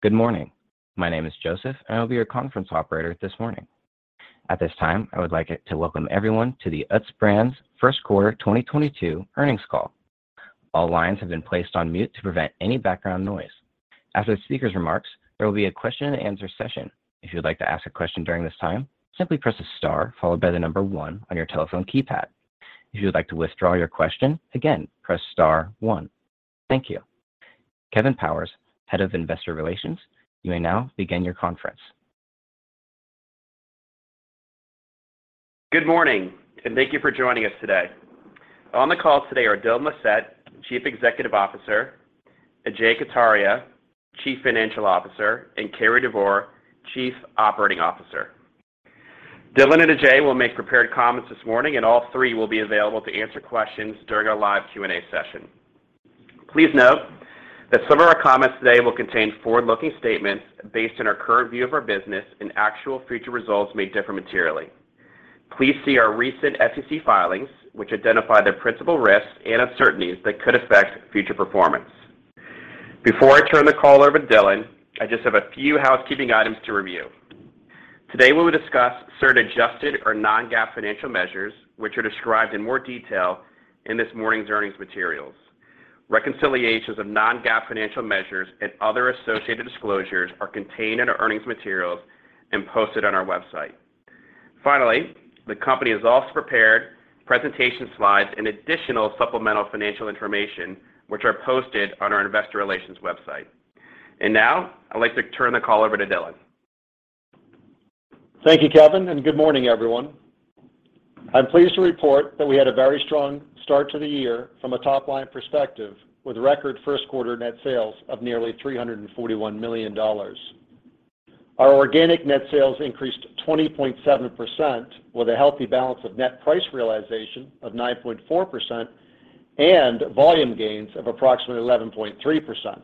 Good morning. My name is Joseph, and I'll be your conference operator this morning. At this time, I would like to welcome everyone to the Utz Brands First Quarter 2022 Earnings Call. All lines have been placed on mute to prevent any background noise. After the speakers' remarks, there will be a question and answer session. If you'd like to ask a question during this time, simply press star followed by the number one on your telephone keypad. If you would like to withdraw your question, again, press star one. Thank you. Kevin Powers, Head of Investor Relations, you may now begin your conference. Good morning, and thank you for joining us today. On the call today are Dylan Lissette, Chief Executive Officer, Ajay Kataria, Chief Financial Officer, and Cary Devore, Chief Operating Officer. Dylan and Ajay will make prepared comments this morning, and all three will be available to answer questions during our live Q&A session. Please note that some of our comments today will contain forward-looking statements based on our current view of our business and actual future results may differ materially. Please see our recent SEC filings, which identify the principal risks and uncertainties that could affect future performance. Before I turn the call over to Dylan, I just have a few housekeeping items to review. Today, we will discuss certain adjusted or non-GAAP financial measures, which are described in more detail in this morning's earnings materials. Reconciliations of non-GAAP financial measures and other associated disclosures are contained in our earnings materials and posted on our website. Finally, the company has also prepared presentation slides and additional supplemental financial information, which are posted on our Investor Relations website. Now, I'd like to turn the call over to Dylan. Thank you, Kevin, and good morning, everyone. I'm pleased to report that we had a very strong start to the year from a top-line perspective with record first quarter net sales of nearly $341 million. Our organic net sales increased 20.7% with a healthy balance of net price realization of 9.4% and volume gains of approximately 11.3%.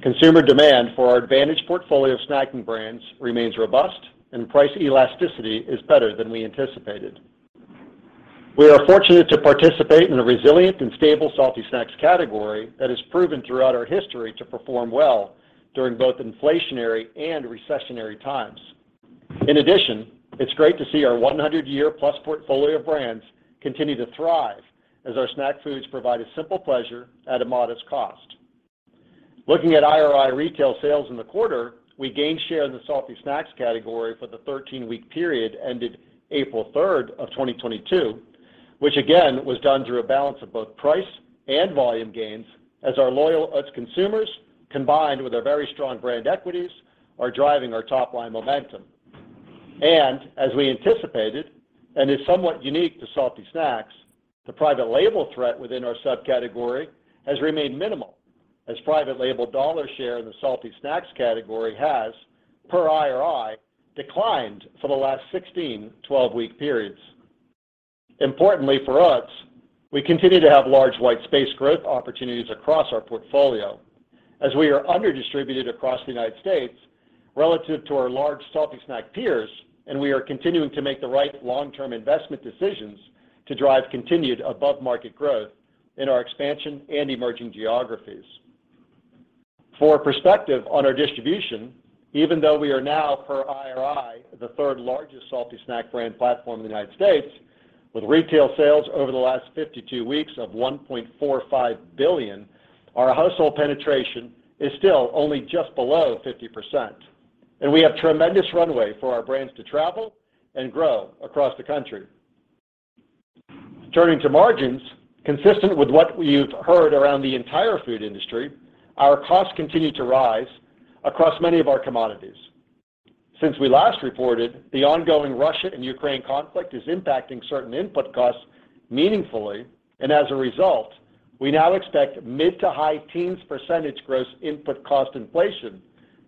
Consumer demand for our advantage portfolio of snacking brands remains robust and price elasticity is better than we anticipated. We are fortunate to participate in a resilient and stable salty snacks category that has proven throughout our history to perform well during both inflationary and recessionary times. In addition, it's great to see our 100-year-plus portfolio of brands continue to thrive as our snack foods provide a simple pleasure at a modest cost. Looking at IRI retail sales in the quarter, we gained share in the salty snacks category for the 13-week period ended April 3, 2022, which again was done through a balance of both price and volume gains as our loyal Utz consumers, combined with our very strong brand equities, are driving our top line momentum. As we anticipated, and is somewhat unique to salty snacks, the private label threat within our subcategory has remained minimal as private label dollar share in the salty snacks category has, per IRI, declined for the last 16 12-week periods. Importantly for us, we continue to have large white space growth opportunities across our portfolio as we are underdistributed across the United States relative to our large salty snack peers, and we are continuing to make the right long-term investment decisions to drive continued above-market growth in our expansion and emerging geographies. For perspective on our distribution, even though we are now, per IRI, the third largest salty snack brand platform in the United States with retail sales over the last 52 weeks of $1.45 billion, our household penetration is still only just below 50%, and we have tremendous runway for our brands to travel and grow across the country. Turning to margins, consistent with what we've heard around the entire food industry, our costs continue to rise across many of our commodities. Since we last reported, the ongoing Russia and Ukraine conflict is impacting certain input costs meaningfully, and as a result, we now expect mid- to high-teens % gross input cost inflation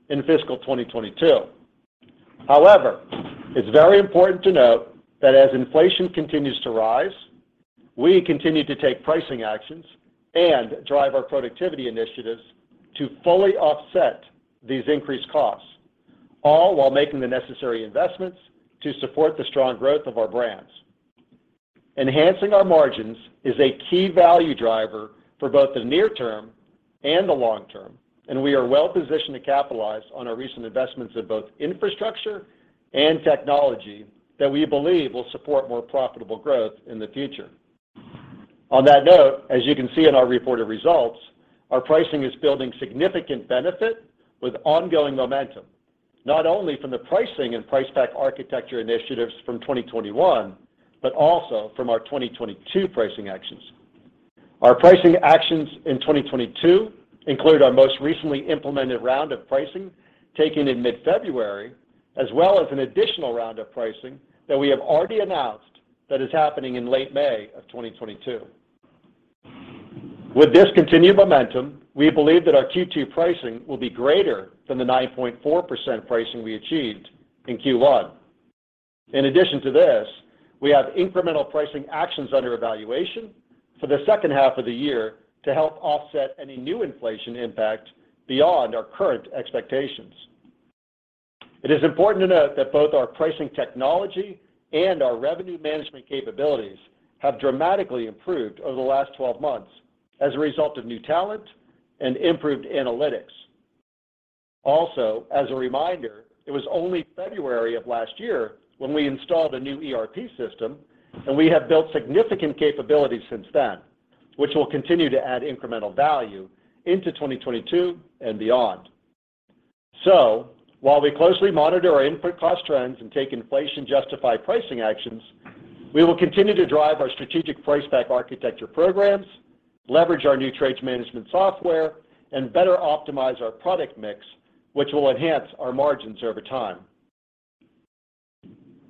in fiscal 2022. However, it's very important to note that as inflation continues to rise, we continue to take pricing actions and drive our productivity initiatives to fully offset these increased costs, all while making the necessary investments to support the strong growth of our brands. Enhancing our margins is a key value driver for both the near term and the long term, and we are well positioned to capitalize on our recent investments in both infrastructure and technology that we believe will support more profitable growth in the future. On that note, as you can see in our reported results, our pricing is building significant benefit with ongoing momentum, not only from the pricing and price pack architecture initiatives from 2021, but also from our 2022 pricing actions. Our pricing actions in 2022 include our most recently implemented round of pricing taken in mid-February, as well as an additional round of pricing that we have already announced that is happening in late May of 2022. With this continued momentum, we believe that our Q2 pricing will be greater than the 9.4% pricing we achieved in Q1. In addition to this, we have incremental pricing actions under evaluation for the second half of the year to help offset any new inflation impact beyond our current expectations. It is important to note that both our pricing technology and our revenue management capabilities have dramatically improved over the last 12 months as a result of new talent and improved analytics. Also, as a reminder, it was only February of last year when we installed a new ERP system, and we have built significant capabilities since then, which will continue to add incremental value into 2022 and beyond. While we closely monitor our input cost trends and take inflation justified pricing actions, we will continue to drive our strategic price pack architecture programs, leverage our new trades management software, and better optimize our product mix, which will enhance our margins over time.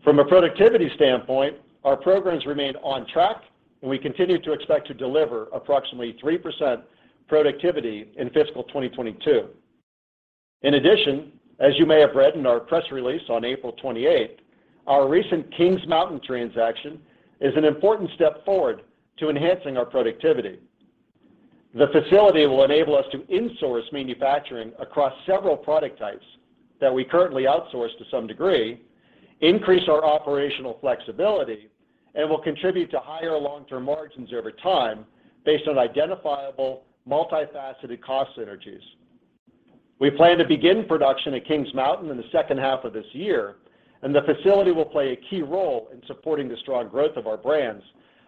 From a productivity standpoint, our programs remain on track, and we continue to expect to deliver approximately 3% productivity in fiscal 2022. In addition, as you may have read in our press release on April 28, our recent Kings Mountain transaction is an important step forward to enhancing our productivity. The facility will enable us to insource manufacturing across several product types that we currently outsource to some degree, increase our operational flexibility, and will contribute to higher long-term margins over time based on identifiable, multifaceted cost synergies. We plan to begin production at Kings Mountain in the second half of this year, and the facility will play a key role in supporting the strong growth of our brands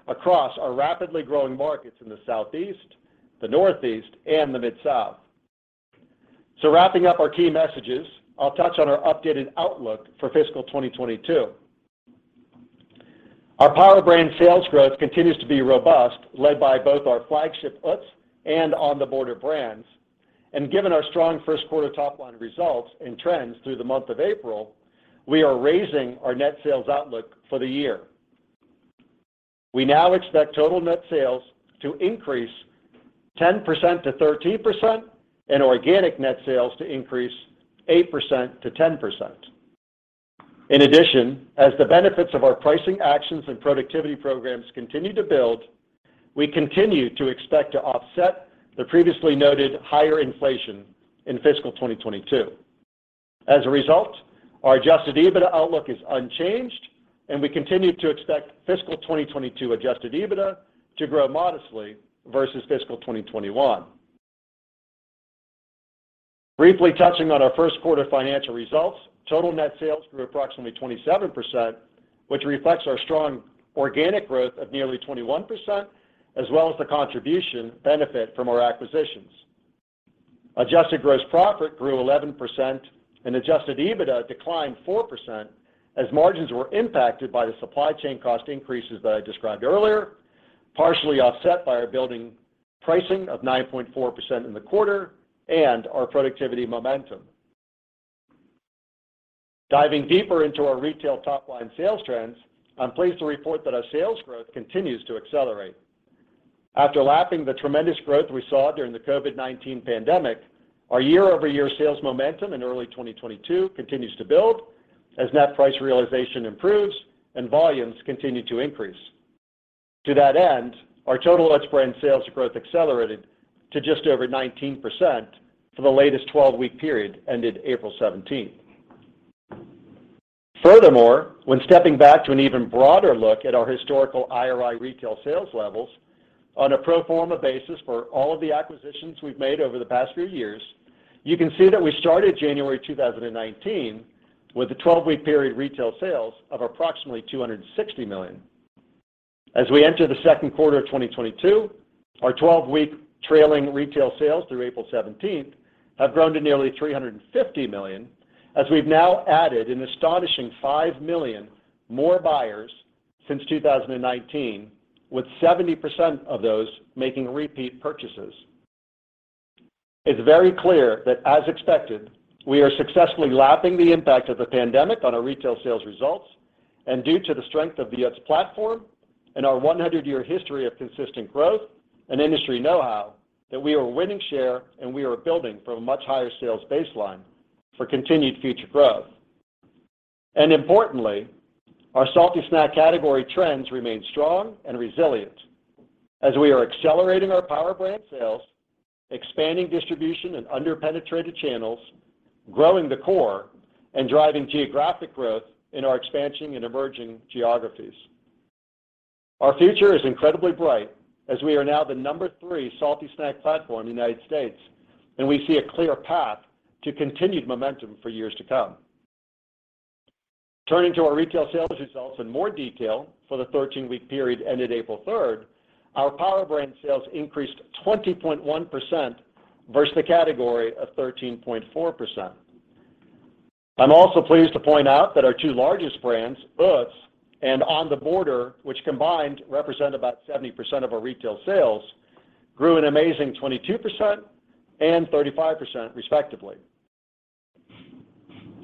across our rapidly growing markets in the Southeast, the Northeast, and the Mid-South. Wrapping up our key messages, I'll touch on our updated outlook for fiscal 2022. Our Power Brand sales growth continues to be robust, led by both our flagship Utz and On The Border brands. Given our strong first quarter top line results and trends through the month of April, we are raising our net sales outlook for the year. We now expect total net sales to increase 10%-13% and organic net sales to increase 8%-10%. In addition, as the benefits of our pricing actions and productivity programs continue to build, we continue to expect to offset the previously noted higher inflation in fiscal 2022. As a result, our Adjusted EBITDA outlook is unchanged, and we continue to expect fiscal 2022 Adjusted EBITDA to grow modestly versus fiscal 2021. Briefly touching on our first quarter financial results, total net sales grew approximately 27%, which reflects our strong organic growth of nearly 21% as well as the contribution benefit from our acquisitions. Adjusted gross profit grew 11% and Adjusted EBITDA declined 4% as margins were impacted by the supply chain cost increases that I described earlier, partially offset by our building pricing of 9.4% in the quarter and our productivity momentum. Diving deeper into our retail top line sales trends, I'm pleased to report that our sales growth continues to accelerate. After lapping the tremendous growth we saw during the COVID-19 pandemic, our year-over-year sales momentum in early 2022 continues to build as net price realization improves and volumes continue to increase. To that end, our total Utz brand sales growth accelerated to just over 19% for the latest 12-week period ended April 17th. Furthermore, when stepping back to an even broader look at our historical IRI retail sales levels on a pro forma basis for all of the acquisitions we've made over the past few years, you can see that we started January 2019 with a 12-week period retail sales of approximately $260 million. As we enter the second quarter of 2022, our 12-week trailing retail sales through April 17 have grown to nearly $350 million. As we've now added an astonishing 5 million more buyers since 2019, with 70% of those making repeat purchases. It's very clear that as expected, we are successfully lapping the impact of the pandemic on our retail sales results. Due to the strength of the Utz platform and our 100-year history of consistent growth and industry know-how, that we are winning share and we are building from a much higher sales baseline for continued future growth. Importantly, our salty snack category trends remain strong and resilient as we are accelerating our Power Brand sales, expanding distribution in under-penetrated channels, growing the core, and driving geographic growth in our expansion and emerging geographies. Our future is incredibly bright as we are now the number three salty snack platform in the United States, and we see a clear path to continued momentum for years to come. Turning to our retail sales results in more detail for the 13-week period ended April 3, our Power Brand sales increased 20.1% versus the category of 13.4%. I'm also pleased to point out that our two largest brands, Utz and On The Border, which combined represent about 70% of our retail sales, grew an amazing 22% and 35% respectively.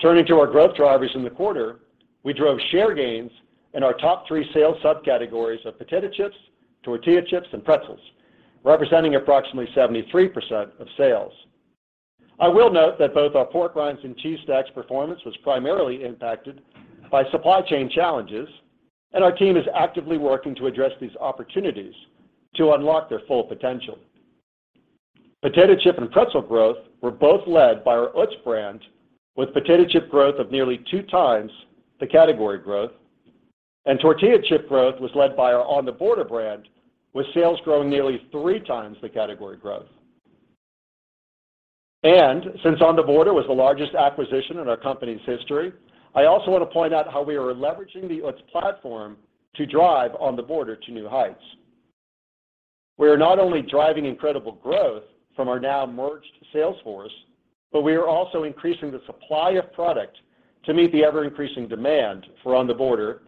Turning to our growth drivers in the quarter, we drove share gains in our top three sales subcategories of potato chips, tortilla chips, and pretzels, representing approximately 73% of sales. I will note that both our pork rinds and cheese snacks performance was primarily impacted by supply chain challenges, and our team is actively working to address these opportunities to unlock their full potential. Potato chip and pretzel growth were both led by our Utz brand, with potato chip growth of nearly 2x the category growth, and tortilla chip growth was led by our On The Border brand, with sales growing nearly 3x the category growth. Since On The Border was the largest acquisition in our company's history, I also want to point out how we are leveraging the Utz platform to drive On The Border to new heights. We are not only driving incredible growth from our now merged sales force, but we are also increasing the supply of product to meet the ever-increasing demand for On The Border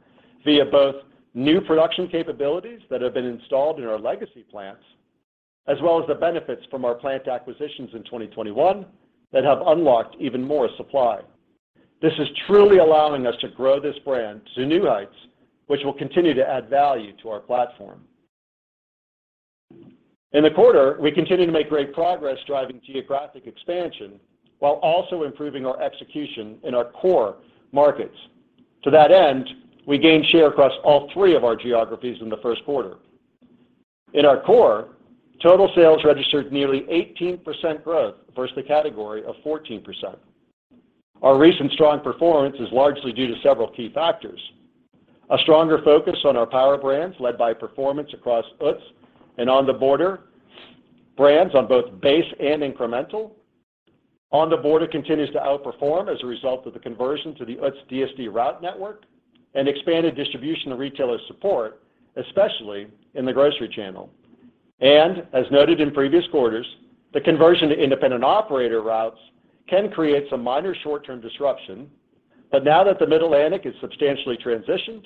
via both new production capabilities that have been installed in our legacy plants, as well as the benefits from our plant acquisitions in 2021 that have unlocked even more supply. This is truly allowing us to grow this brand to new heights, which will continue to add value to our platform. In the quarter, we continued to make great progress driving geographic expansion while also improving our execution in our core markets. To that end, we gained share across all three of our geographies in the first quarter. In our core, total sales registered nearly 18% growth versus the category of 14%. Our recent strong performance is largely due to several key factors. A stronger focus on our power brands led by performance across Utz and On The Border brands on both base and incremental. On The Border continues to outperform as a result of the conversion to the Utz DSD route network and expanded distribution and retailer support, especially in the grocery channel. As noted in previous quarters, the conversion to independent operator routes can create some minor short-term disruption. Now that the Middle Atlantic is substantially transitioned,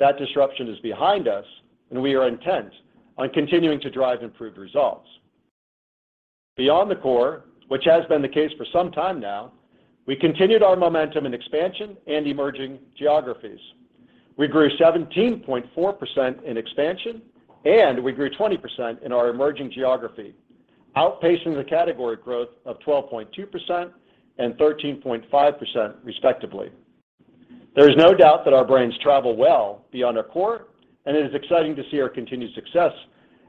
that disruption is behind us and we are intent on continuing to drive improved results. Beyond the core, which has been the case for some time now, we continued our momentum in expansion and emerging geographies. We grew 17.4% in expansion, and we grew 20% in our emerging geography, outpacing the category growth of 12.2% and 13.5% respectively. There is no doubt that our brands travel well beyond our core, and it is exciting to see our continued success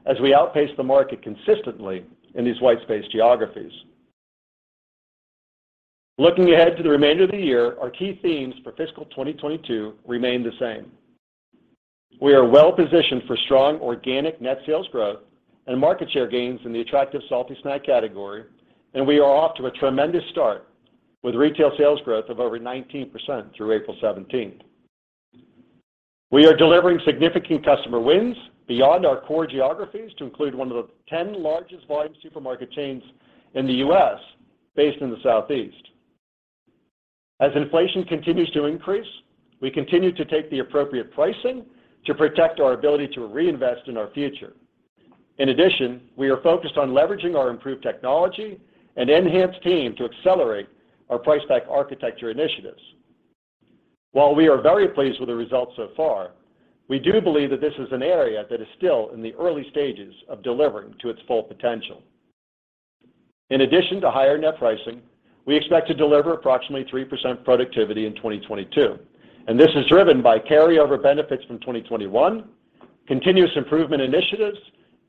as we outpace the market consistently in these white space geographies. Looking ahead to the remainder of the year, our key themes for fiscal 2022 remain the same. We are well-positioned for strong organic net sales growth and market share gains in the attractive salty snack category, and we are off to a tremendous start with retail sales growth of over 19% through April seventeenth. We are delivering significant customer wins beyond our core geographies to include one of the ten largest volume supermarket chains in the U.S. based in the Southeast. As inflation continues to increase, we continue to take the appropriate pricing to protect our ability to reinvest in our future. In addition, we are focused on leveraging our improved technology and enhanced team to accelerate our price pack architecture initiatives. While we are very pleased with the results so far, we do believe that this is an area that is still in the early stages of delivering to its full potential. In addition to higher net pricing, we expect to deliver approximately 3% productivity in 2022, and this is driven by carryover benefits from 2021, continuous improvement initiatives,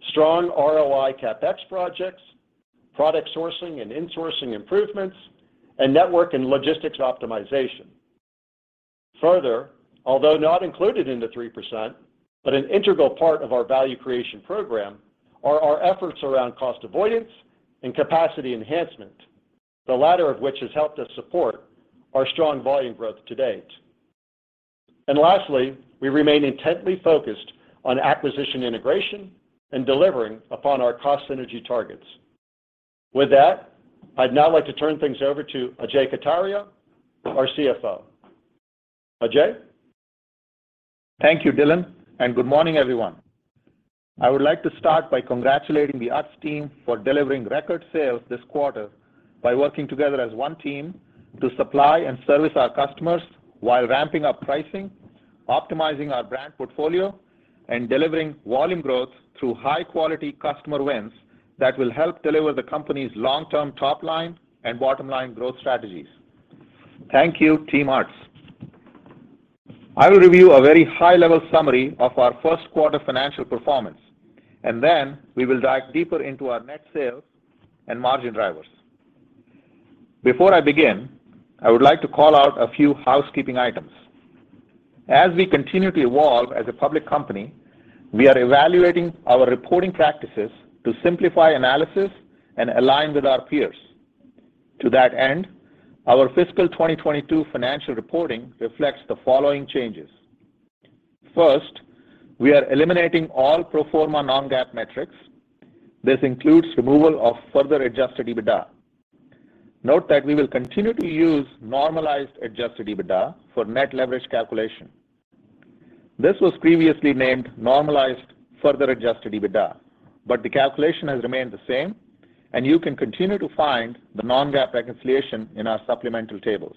strong ROI CapEx projects, product sourcing and insourcing improvements, and network and logistics optimization. Further, although not included in the 3%, but an integral part of our value creation program are our efforts around cost avoidance and capacity enhancement, the latter of which has helped us support our strong volume growth to date. Lastly, we remain intently focused on acquisition integration and delivering upon our cost synergy targets. With that, I'd now like to turn things over to Ajay Kataria, our CFO. Ajay. Thank you, Dylan, and good morning, everyone. I would like to start by congratulating the Utz team for delivering record sales this quarter by working together as one team to supply and service our customers while ramping up pricing, optimizing our brand portfolio, and delivering volume growth through high-quality customer wins that will help deliver the company's long-term top line and bottom-line growth strategies. Thank you, Team Utz. I will review a very high-level summary of our first quarter financial performance, and then we will dive deeper into our net sales and margin drivers. Before I begin, I would like to call out a few housekeeping items. As we continue to evolve as a public company, we are evaluating our reporting practices to simplify analysis and align with our peers. To that end, our fiscal 2022 financial reporting reflects the following changes. First, we are eliminating all pro forma non-GAAP metrics. This includes removal of Further Adjusted EBITDA. Note that we will continue to use normalized Adjusted EBITDA for net leverage calculation. This was previously named Normalized Further Adjusted EBITDA, but the calculation has remained the same and you can continue to find the non-GAAP reconciliation in our supplemental tables.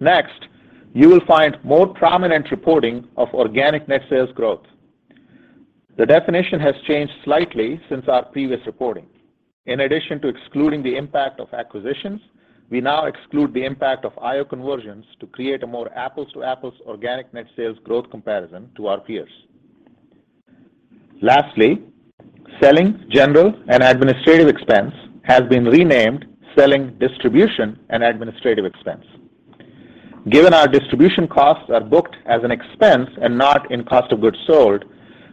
Next, you will find more prominent reporting of organic net sales growth. The definition has changed slightly since our previous reporting. In addition to excluding the impact of acquisitions, we now exclude the impact of IO conversions to create a more apples-to-apples organic net sales growth comparison to our peers. Lastly, selling, general, and administrative expense has been renamed selling, distribution, and administrative expense. Given our distribution costs are booked as an expense and not in cost of goods sold,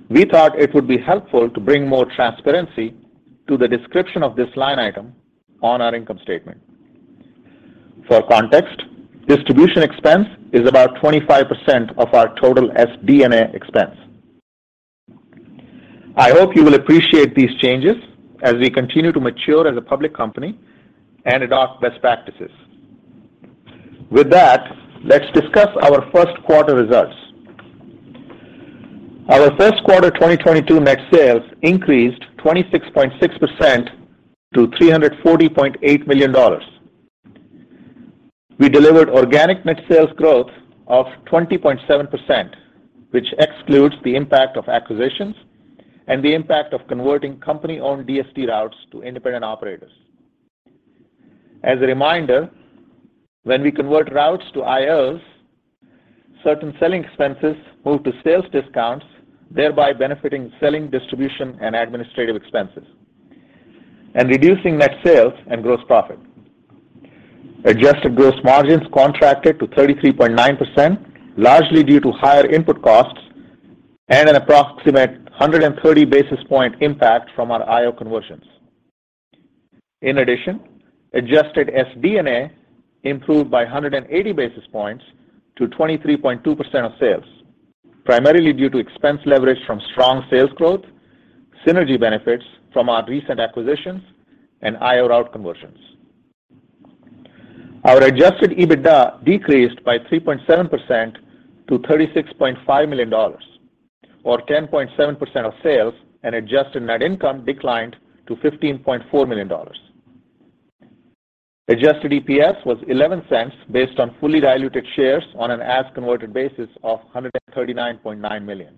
we thought it would be helpful to bring more transparency to the description of this line item on our income statement. For context, distribution expense is about 25% of our total SD&A expense. I hope you will appreciate these changes as we continue to mature as a public company and adopt best practices. With that, let's discuss our first quarter results. Our first quarter 2022 net sales increased 26.6% to $340.8 million. We delivered organic net sales growth of 20.7%, which excludes the impact of acquisitions and the impact of converting company-owned DSD routes to independent operators. As a reminder, when we convert routes to IOs, certain selling expenses move to sales discounts, thereby benefiting selling, distribution, and administrative expenses and reducing net sales and gross profit. Adjusted gross margins contracted to 33.9%, largely due to higher input costs and an approximate 130 basis point impact from our IO conversions. In addition, adjusted SD&A improved by 180 basis points to 23.2% of sales, primarily due to expense leverage from strong sales growth, synergy benefits from our recent acquisitions, and IO route conversions. Our Adjusted EBITDA decreased by 3.7% to $36.5 million or 10.7% of sales, and adjusted net income declined to $15.4 million. Adjusted EPS was $0.11 based on fully diluted shares on an as converted basis of 139.9 million.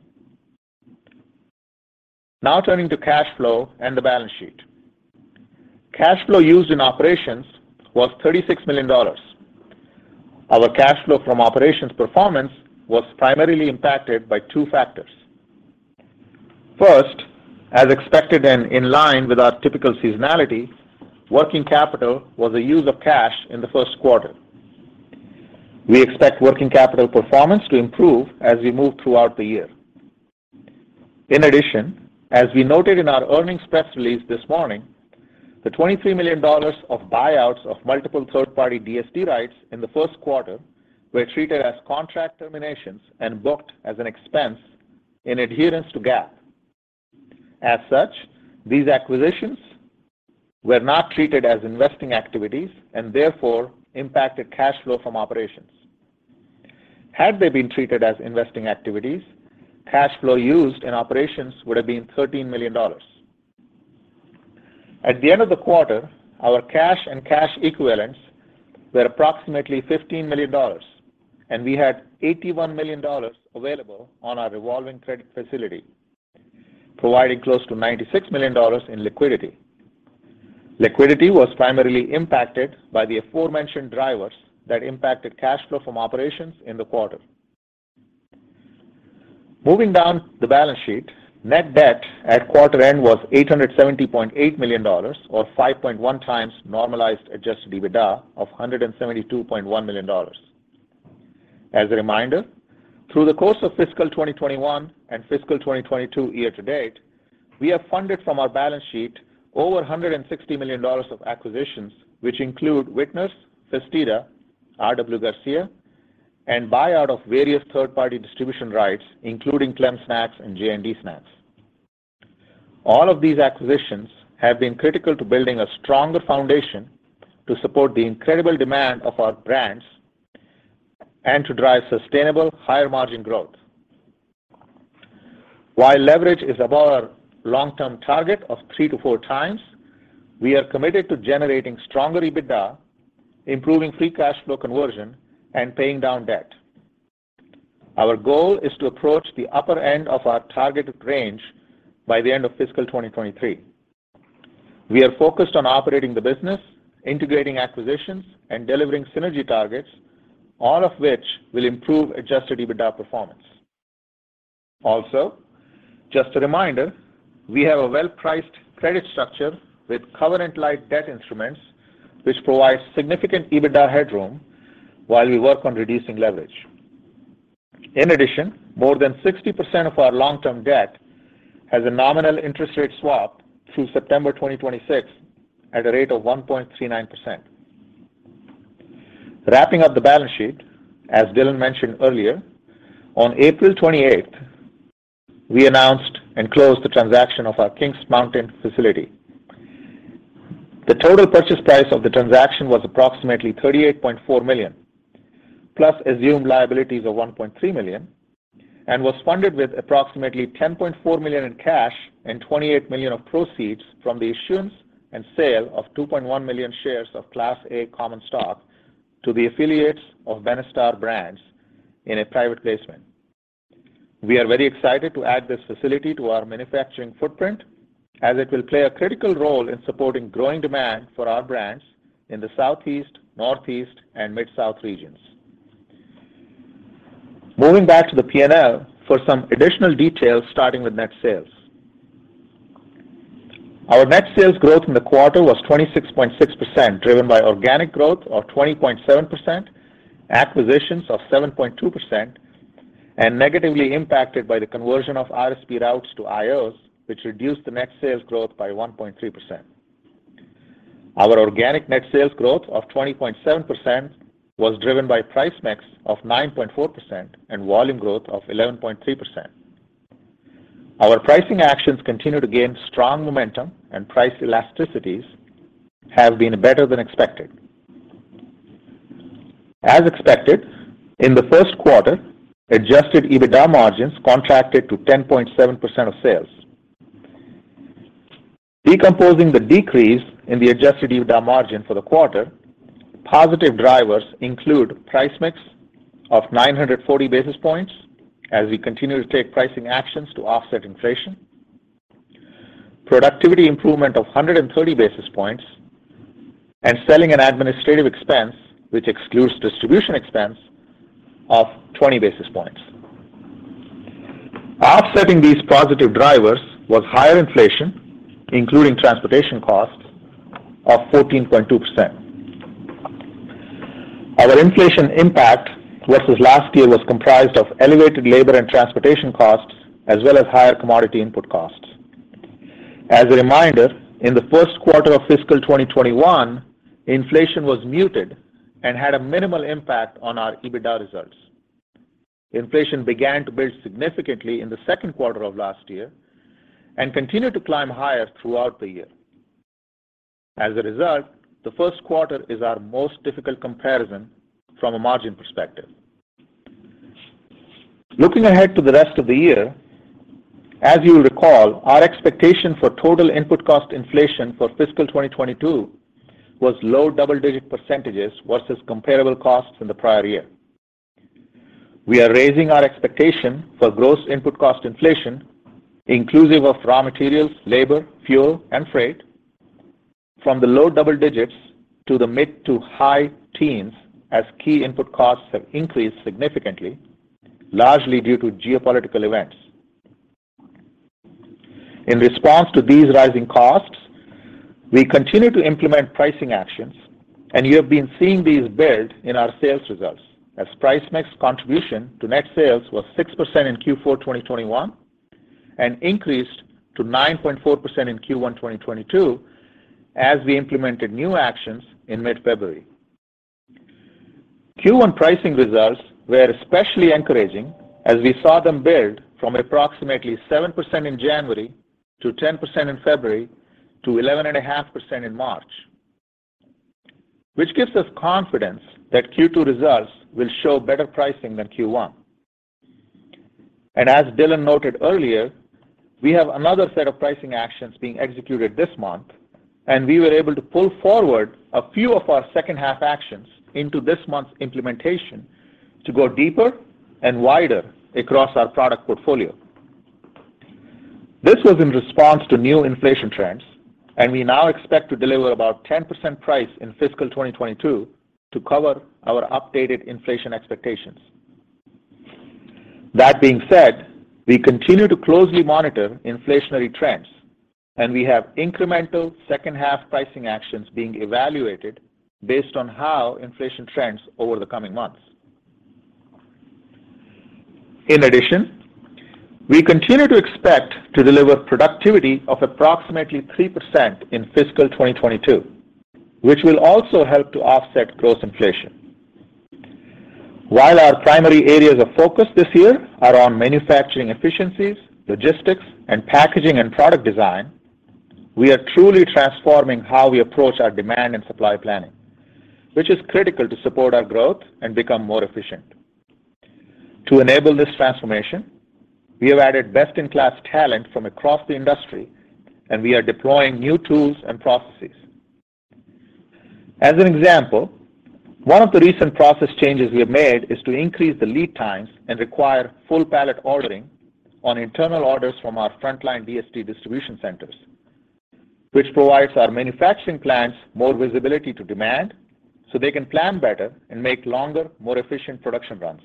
Now turning to cash flow and the balance sheet. Cash flow used in operations was $36 million. Our cash flow from operations performance was primarily impacted by two factors. First, as expected and in line with our typical seasonality, working capital was a use of cash in the first quarter. We expect working capital performance to improve as we move throughout the year. In addition, as we noted in our earnings press release this morning, the $23 million of buyouts of multiple third-party DSD rights in the first quarter were treated as contract terminations and booked as an expense in adherence to GAAP. As such, these acquisitions were not treated as investing activities and therefore impacted cash flow from operations. Had they been treated as investing activities, cash flow used in operations would have been $13 million. At the end of the quarter, our cash and cash equivalents were approximately $15 million, and we had $81 million available on our revolving credit facility, providing close to $96 million in liquidity. Liquidity was primarily impacted by the aforementioned drivers that impacted cash flow from operations in the quarter. Moving down the balance sheet, net debt at quarter end was $870.8 million or 5.1x Normalized Adjusted EBITDA of $172.1 million. As a reminder, through the course of fiscal 2021 and fiscal 2022 year to date, we have funded from our balance sheet over $160 million of acquisitions, which include Vitner's, Festida Foods, R.W. Garcia, and buyout of various third-party distribution rights, including Clem Snacks and J&D Snacks. All of these acquisitions have been critical to building a stronger foundation to support the incredible demand of our brands and to drive sustainable higher margin growth. While leverage is above our long-term target of 3x-4x, we are committed to generating stronger EBITDA, improving free cash flow conversion, and paying down debt. Our goal is to approach the upper end of our targeted range by the end of fiscal 2023. We are focused on operating the business, integrating acquisitions, and delivering synergy targets, all of which will improve Adjusted EBITDA performance. Also, just a reminder, we have a well-priced credit structure with covenant light debt instruments, which provides significant EBITDA headroom while we work on reducing leverage. In addition, more than 60% of our long-term debt has a nominal interest rate swap through September 2026 at a rate of 1.39%. Wrapping up the balance sheet, as Dylan mentioned earlier, on April twenty-eighth, we announced and closed the transaction of our Kings Mountain facility. The total purchase price of the transaction was approximately $38.4 million, plus assumed liabilities of $1.3 million, and was funded with approximately $10.4 million in cash and $28 million of proceeds from the issuance and sale of 2.1 million shares of Class A Common Stock to the affiliates of Benestar Brands in a private placement. We are very excited to add this facility to our manufacturing footprint as it will play a critical role in supporting growing demand for our brands in the Southeast, Northeast, and mid-South regions. Moving back to the P&L for some additional details, starting with net sales. Our net sales growth in the quarter was 26.6%, driven by organic growth of 20.7%, acquisitions of 7.2%, and negatively impacted by the conversion of RSP routes to IOs, which reduced the net sales growth by 1.3%. Our organic net sales growth of 20.7% was driven by price mix of 9.4% and volume growth of 11.3%. Our pricing actions continue to gain strong momentum, and price elasticities have been better than expected. As expected, in the first quarter, Adjusted EBITDA margins contracted to 10.7% of sales. Decomposing the decrease in the Adjusted EBITDA margin for the quarter, positive drivers include price mix of 940 basis points as we continue to take pricing actions to offset inflation, productivity improvement of 130 basis points, and selling and administrative expense, which excludes distribution expense of 20 basis points. Offsetting these positive drivers was higher inflation, including transportation costs of 14.2%. Our inflation impact versus last year was comprised of elevated labor and transportation costs as well as higher commodity input costs. As a reminder, in the first quarter of fiscal 2021, inflation was muted and had a minimal impact on our EBITDA results. Inflation began to build significantly in the second quarter of last year and continued to climb higher throughout the year. As a result, the first quarter is our most difficult comparison from a margin perspective. Looking ahead to the rest of the year, as you'll recall, our expectation for total input cost inflation for fiscal 2022 was low double-digit percentage versus comparable costs in the prior year. We are raising our expectation for gross input cost inflation, inclusive of raw materials, labor, fuel, and freight from the low double-digits to the mid- to high-teens as key input costs have increased significantly, largely due to geopolitical events. In response to these rising costs, we continue to implement pricing actions, and you have been seeing these build in our sales results as price mix contribution to net sales was 6% in Q4 2021 and increased to 9.4% in Q1 2022 as we implemented new actions in mid-February. Q1 pricing results were especially encouraging as we saw them build from approximately 7% in January to 10% in February to 11.5% in March, which gives us confidence that Q2 results will show better pricing than Q1. As Dylan noted earlier, we have another set of pricing actions being executed this month, and we were able to pull forward a few of our second-half actions into this month's implementation to go deeper and wider across our product portfolio. This was in response to new inflation trends, and we now expect to deliver about 10% price in fiscal 2022 to cover our updated inflation expectations. That being said, we continue to closely monitor inflationary trends, and we have incremental second-half pricing actions being evaluated based on how inflation trends over the coming months. In addition, we continue to expect to deliver productivity of approximately 3% in fiscal 2022, which will also help to offset gross inflation. While our primary areas of focus this year are on manufacturing efficiencies, logistics, and packaging and product design, we are truly transforming how we approach our demand and supply planning, which is critical to support our growth and become more efficient. To enable this transformation, we have added best-in-class talent from across the industry, and we are deploying new tools and processes. As an example, one of the recent process changes we have made is to increase the lead times and require full pallet ordering on internal orders from our frontline VST distribution centers, which provides our manufacturing plants more visibility to demand so they can plan better and make longer, more efficient production runs.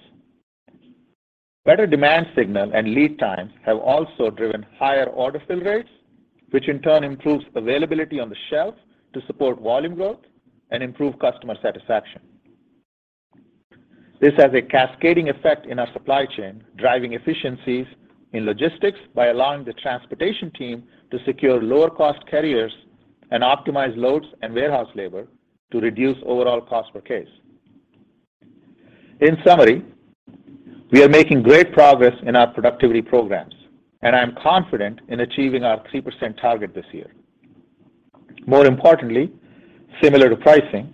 Better demand signal and lead times have also driven higher order fill rates, which in turn improves availability on the shelf to support volume growth and improve customer satisfaction. This has a cascading effect in our supply chain, driving efficiencies in logistics by allowing the transportation team to secure lower cost carriers and optimize loads and warehouse labor to reduce overall cost per case. In summary, we are making great progress in our productivity programs, and I am confident in achieving our 3% target this year. More importantly, similar to pricing,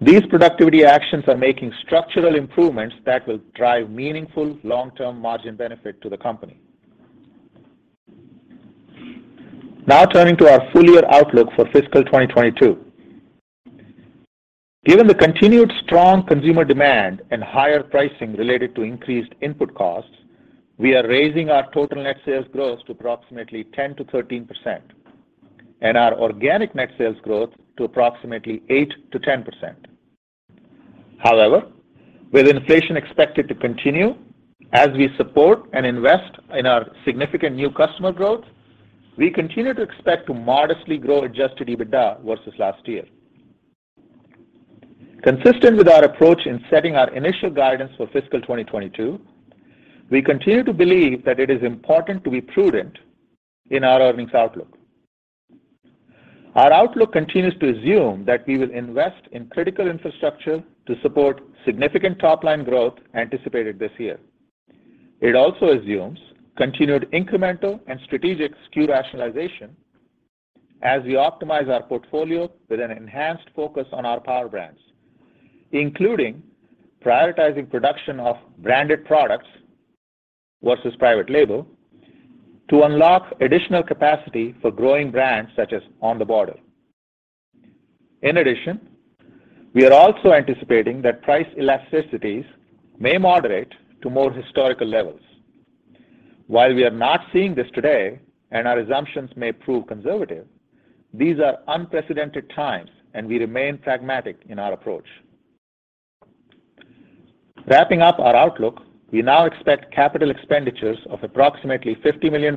these productivity actions are making structural improvements that will drive meaningful long-term margin benefit to the company. Now turning to our full year outlook for fiscal 2022. Given the continued strong consumer demand and higher pricing related to increased input costs, we are raising our total net sales growth to approximately 10%-13% and our organic net sales growth to approximately 8%-10%. However, with inflation expected to continue as we support and invest in our significant new customer growth, we continue to expect to modestly grow Adjusted EBITDA versus last year. Consistent with our approach in setting our initial guidance for fiscal 2022, we continue to believe that it is important to be prudent in our earnings outlook. Our outlook continues to assume that we will invest in critical infrastructure to support significant top line growth anticipated this year. It also assumes continued incremental and strategic SKU rationalization as we optimize our portfolio with an enhanced focus on our Power Brands, including prioritizing production of branded products versus private label to unlock additional capacity for growing brands such as On The Border. In addition, we are also anticipating that price elasticities may moderate to more historical levels. While we are not seeing this today and our assumptions may prove conservative, these are unprecedented times, and we remain pragmatic in our approach. Wrapping up our outlook, we now expect capital expenditures of approximately $50 million.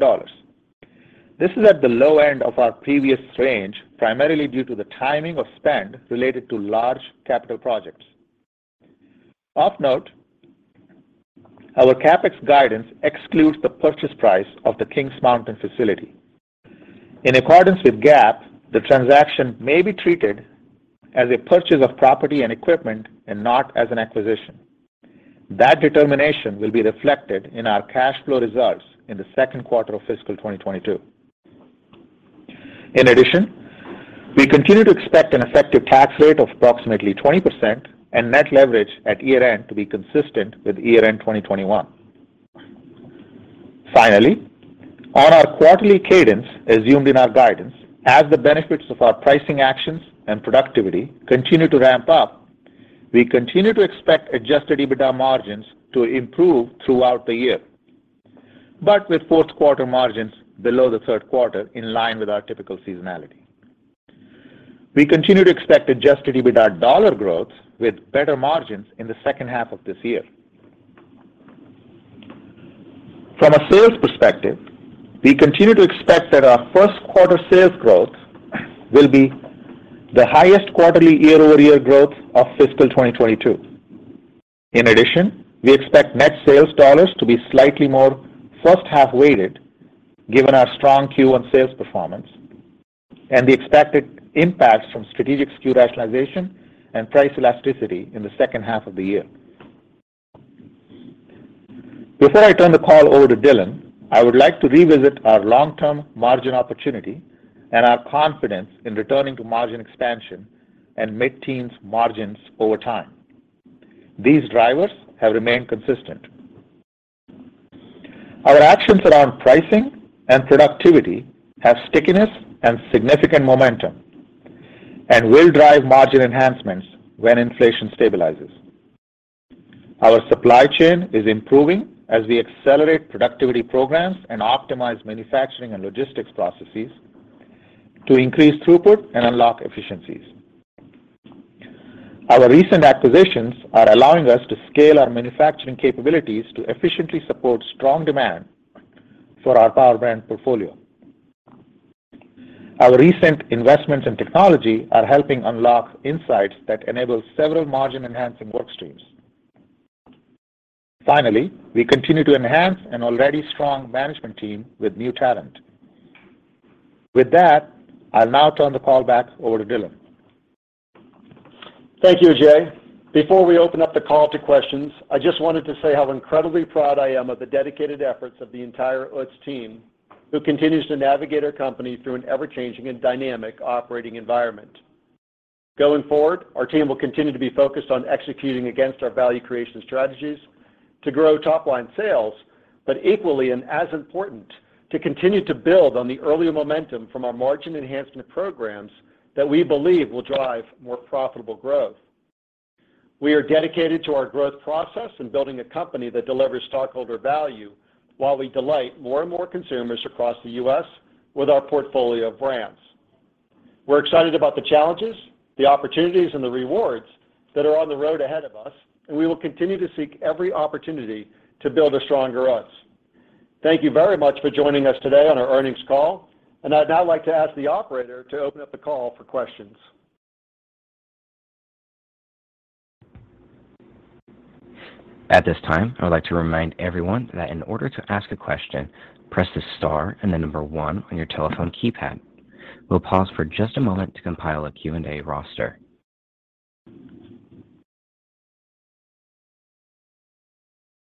This is at the low end of our previous range, primarily due to the timing of spend related to large capital projects. Of note, our CapEx guidance excludes the purchase price of the Kings Mountain facility. In accordance with GAAP, the transaction may be treated as a purchase of property and equipment and not as an acquisition. That determination will be reflected in our cash flow results in the second quarter of fiscal 2022. In addition, we continue to expect an effective tax rate of approximately 20% and net leverage at year-end to be consistent with year-end 2021. Finally, on our quarterly cadence assumed in our guidance, as the benefits of our pricing actions and productivity continue to ramp up, we continue to expect Adjusted EBITDA margins to improve throughout the year, but with fourth quarter margins below the third quarter in line with our typical seasonality. We continue to expect Adjusted EBITDA dollar growth with better margins in the second half of this year. From a sales perspective, we continue to expect that our first quarter sales growth will be the highest quarterly year-over-year growth of fiscal 2022. In addition, we expect net sales dollars to be slightly more first half weighted given our strong Q1 sales performance and the expected impacts from strategic SKU rationalization and price elasticity in the second half of the year. Before I turn the call over to Dylan, I would like to revisit our long-term margin opportunity and our confidence in returning to margin expansion and mid-teens margins over time. These drivers have remained consistent. Our actions around pricing and productivity have stickiness and significant momentum and will drive margin enhancements when inflation stabilizes. Our supply chain is improving as we accelerate productivity programs and optimize manufacturing and logistics processes to increase throughput and unlock efficiencies. Our recent acquisitions are allowing us to scale our manufacturing capabilities to efficiently support strong demand for our Power Brand portfolio. Our recent investments in technology are helping unlock insights that enable several margin-enhancing work streams. Finally, we continue to enhance an already strong management team with new talent. With that, I'll now turn the call back over to Dylan. Thank you, Ajay. Before we open up the call to questions, I just wanted to say how incredibly proud I am of the dedicated efforts of the entire Utz team, who continues to navigate our company through an ever-changing and dynamic operating environment. Going forward, our team will continue to be focused on executing against our value creation strategies to grow top line sales, but equally and as important, to continue to build on the earlier momentum from our margin enhancement programs that we believe will drive more profitable growth. We are dedicated to our growth process in building a company that delivers stockholder value while we delight more and more consumers across the U.S. with our portfolio of brands. We're excited about the challenges, the opportunities, and the rewards that are on the road ahead of us, and we will continue to seek every opportunity to build a stronger Utz. Thank you very much for joining us today on our earnings call, and I'd now like to ask the operator to open up the call for questions. At this time, I would like to remind everyone that in order to ask a question, press the star and the number one on your telephone keypad. We'll pause for just a moment to compile a Q&A roster.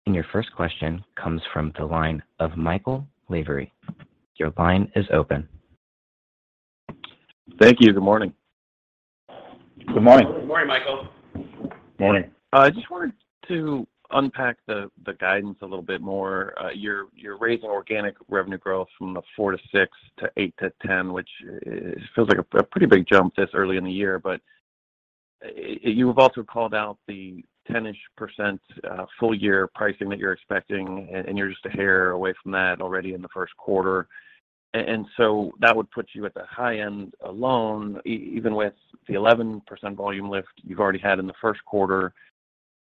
Your first question comes from the line of Michael Lavery. Your line is open. Thank you. Good morning. Good morning. Good morning, Michael. Morning. I just wanted to unpack the guidance a little bit more. You're raising organic revenue growth from 4%-6% to 8%-10%, which feels like a pretty big jump this early in the year. You have also called out the 10%-ish full-year pricing that you're expecting, and you're just a hair away from that already in the first quarter. That would put you at the high end alone even with the 11% volume lift you've already had in the first quarter.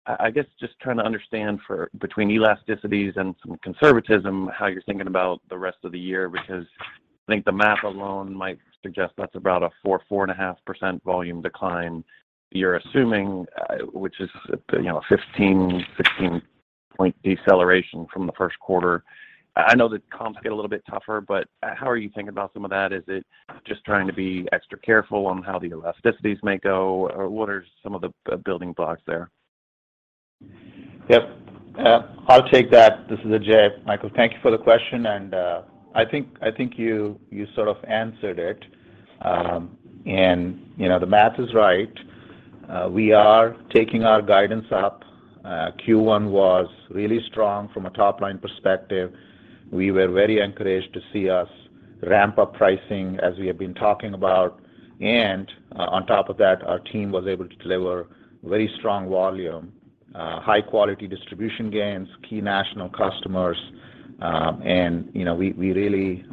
I guess just trying to understand, between elasticities and some conservatism, how you're thinking about the rest of the year, because I think the math alone might suggest that's about a 4%-4.5% volume decline you're assuming, which is, you know, a 15-16 point deceleration from the first quarter. I know that comps get a little bit tougher, but how are you thinking about some of that? Is it just trying to be extra careful on how the elasticities may go? Or what are some of the building blocks there? Yep. I'll take that. This is Ajay. Michael, thank you for the question, and I think you sort of answered it. You know, the math is right. We are taking our guidance up. Q1 was really strong from a top-line perspective. We were very encouraged to see us ramp up pricing as we have been talking about. On top of that, our team was able to deliver very strong volume, high quality distribution gains, key national customers, and you know, we really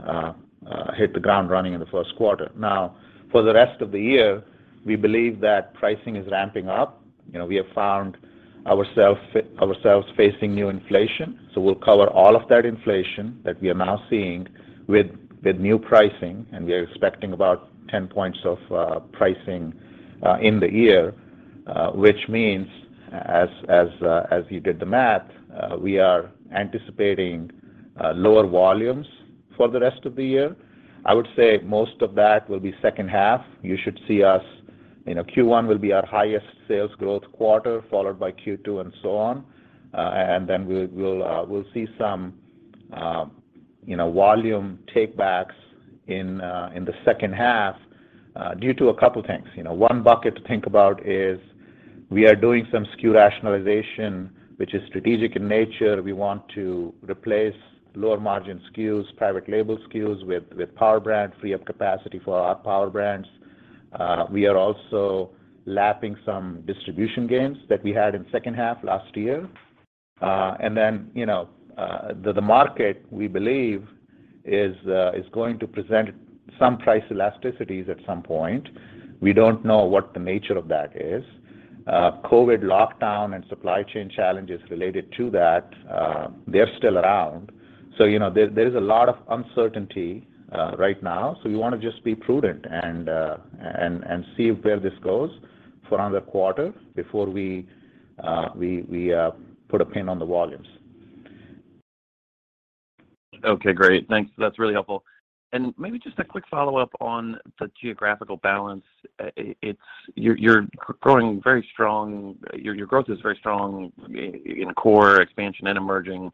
hit the ground running in the first quarter. Now for the rest of the year, we believe that pricing is ramping up. You know, we have found ourselves facing new inflation, so we'll cover all of that inflation that we are now seeing with new pricing, and we are expecting about 10 points of pricing in the year, which means as you did the math, we are anticipating lower volumes for the rest of the year. I would say most of that will be second half. You should see us. You know, Q1 will be our highest sales growth quarter, followed by Q2 and so on. Then we'll see some, you know, volume take backs in the second half due to a couple things. You know, one bucket to think about is we are doing some SKU rationalization, which is strategic in nature. We want to replace lower margin SKUs, private label SKUs with Power Brand, free up capacity for our Power Brands. We are also lapping some distribution gains that we had in second half last year. You know, the market we believe is going to present some price elasticities at some point. We don't know what the nature of that is. COVID lockdown and supply chain challenges related to that, they're still around. You know, there is a lot of uncertainty right now. We wanna just be prudent and see where this goes for another quarter before we put a pin on the volumes. Okay, great. Thanks. That's really helpful. Maybe just a quick follow-up on the geographical balance. You're growing very strong. Your growth is very strong in core expansion and emerging.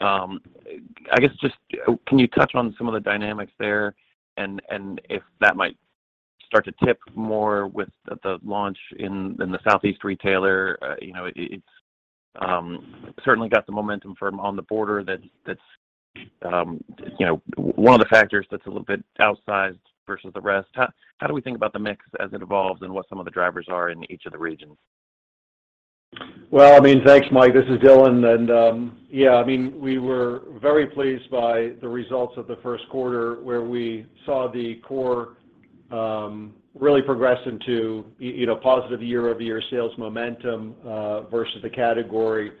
I guess just can you touch on some of the dynamics there and if that might start to tip more with the launch in the Southeast retailer? You know, it's certainly got the momentum from On The Border that's one of the factors that's a little bit outsized versus the rest. How do we think about the mix as it evolves and what some of the drivers are in each of the regions? Well, I mean, thanks Mike. This is Dylan, and, yeah, I mean, we were very pleased by the results of the first quarter where we saw the core really progress into you know, positive year-over-year sales momentum versus the category.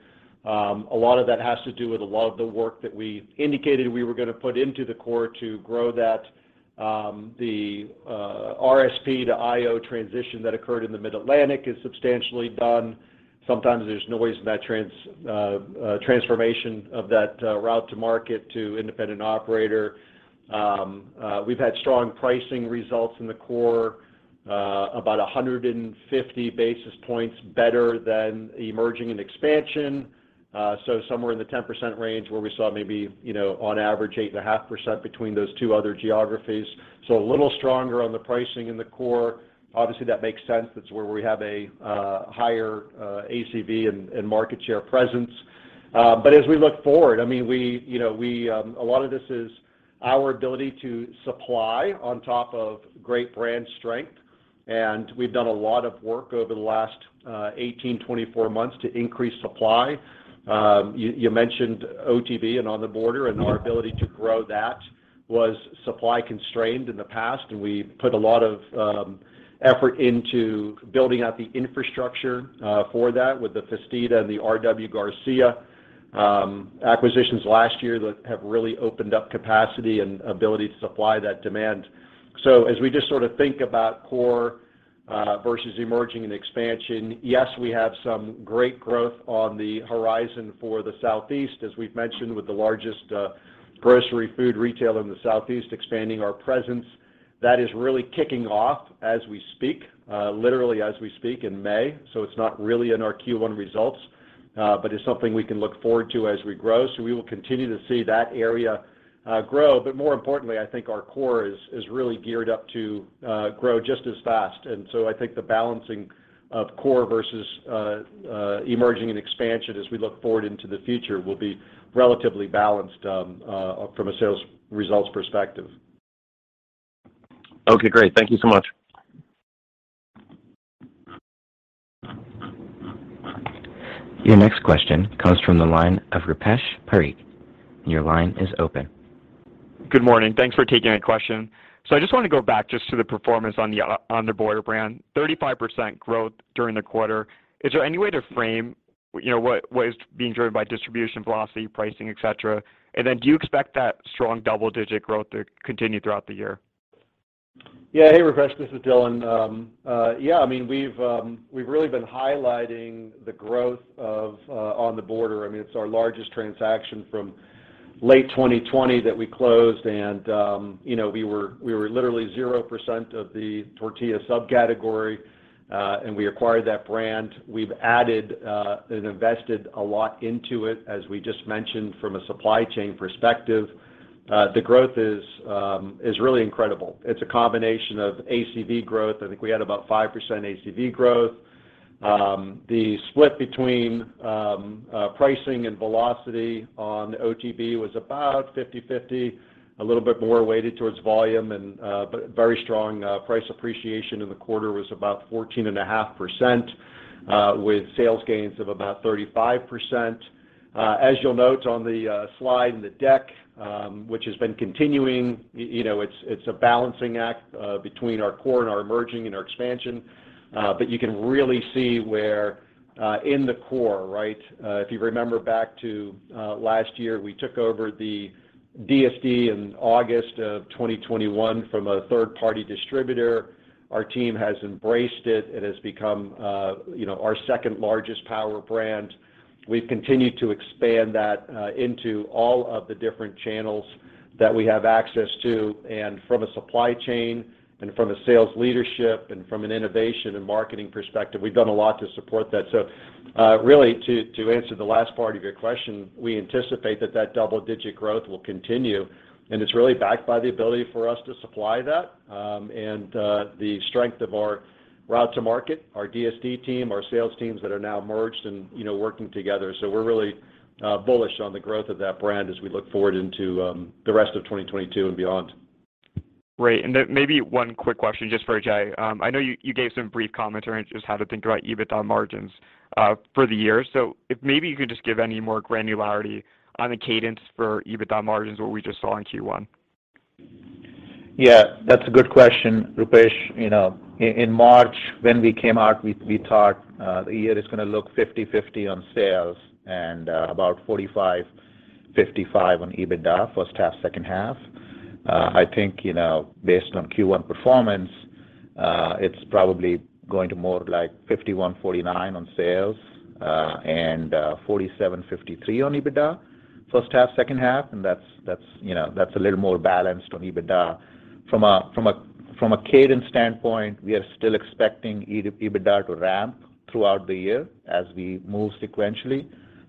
A lot of that has to do with a lot of the work that we indicated we were gonna put into the core to grow that. The RSP to IO transition that occurred in the Mid-Atlantic is substantially done. Sometimes there's noise in that transformation of that route to market to independent operator. We've had strong pricing results in the core, about 150 basis points better than emerging and expansion. Somewhere in the 10% range where we saw maybe, you know, on average 8.5% between those two other geographies. A little stronger on the pricing in the core. Obviously, that makes sense. That's where we have a higher ACV and market share presence. As we look forward, I mean, you know, a lot of this is our ability to supply on top of great brand strength, and we've done a lot of work over the last 18-24 months to increase supply. You mentioned OTB and On The Border, and our ability to grow that was supply constrained in the past, and we put a lot of effort into building out the infrastructure for that with the Festida and the R.W. Garcia acquisitions last year that have really opened up capacity and ability to supply that demand. As we just sort of think about core versus emerging and expansion, yes, we have some great growth on the horizon for the Southeast, as we've mentioned, with the largest grocery food retailer in the Southeast expanding our presence. That is really kicking off as we speak, literally as we speak in May. It's not really in our Q1 results. It's something we can look forward to as we grow. We will continue to see that area grow. More importantly, I think our core is really geared up to grow just as fast. I think the balancing of core versus emerging and expansion as we look forward into the future will be relatively balanced from a sales results perspective. Okay, great. Thank you so much. Your next question comes from the line of Rupesh Parikh. Your line is open. Good morning. Thanks for taking my question. I just wanna go back just to the performance on the, On The Border brand, 35% growth during the quarter. Is there any way to frame, you know, what is being driven by distribution, velocity, pricing, et cetera? Do you expect that strong double-digit growth to continue throughout the year? Yeah. Hey, Rupesh, this is Dylan. Yeah, I mean, we've really been highlighting the growth of On The Border. I mean, it's our largest transaction from late 2020 that we closed. You know, we were literally 0% of the tortilla subcategory, and we acquired that brand. We've added and invested a lot into it, as we just mentioned from a supply chain perspective. The growth is really incredible. It's a combination of ACV growth. I think we had about 5% ACV growth. The split between pricing and velocity on OTB was about 50/50, a little bit more weighted towards volume, but very strong price appreciation in the quarter was about 14.5%, with sales gains of about 35%. As you'll note on the slide in the deck, which has been continuing, you know, it's a balancing act between our core and our emerging and our expansion. You can really see where in the core, right? If you remember back to last year, we took over the DSD in August 2021 from a third party distributor. Our team has embraced it. It has become, you know, our second largest Power Brand. We've continued to expand that into all of the different channels that we have access to. From a supply chain and from a sales leadership and from an innovation and marketing perspective, we've done a lot to support that. Really to answer the last part of your question, we anticipate that double-digit growth will continue, and it's really backed by the ability for us to supply that, and the strength of our route to market, our DSD team, our sales teams that are now merged and, you know, working together. We're really bullish on the growth of that brand as we look forward into the rest of 2022 and beyond. Great. Maybe one quick question just for Ajay. I know you gave some brief commentary on just how to think about EBITDA margins for the year. If maybe you could just give any more granularity on the cadence for EBITDA margins, what we just saw in Q1. Yeah, that's a good question, Rupesh. You know, in March when we came out, we thought the year is gonna look 50/50 on sales and about 45/55 on EBITDA, first half, second half. I think, you know, based on Q1 performance, it's probably going to more like 51/49 on sales and 47/53 on EBITDA, first half, second half. That's a little more balanced on EBITDA. From a cadence standpoint, we are still expecting EBITDA to ramp throughout the year as we move sequentially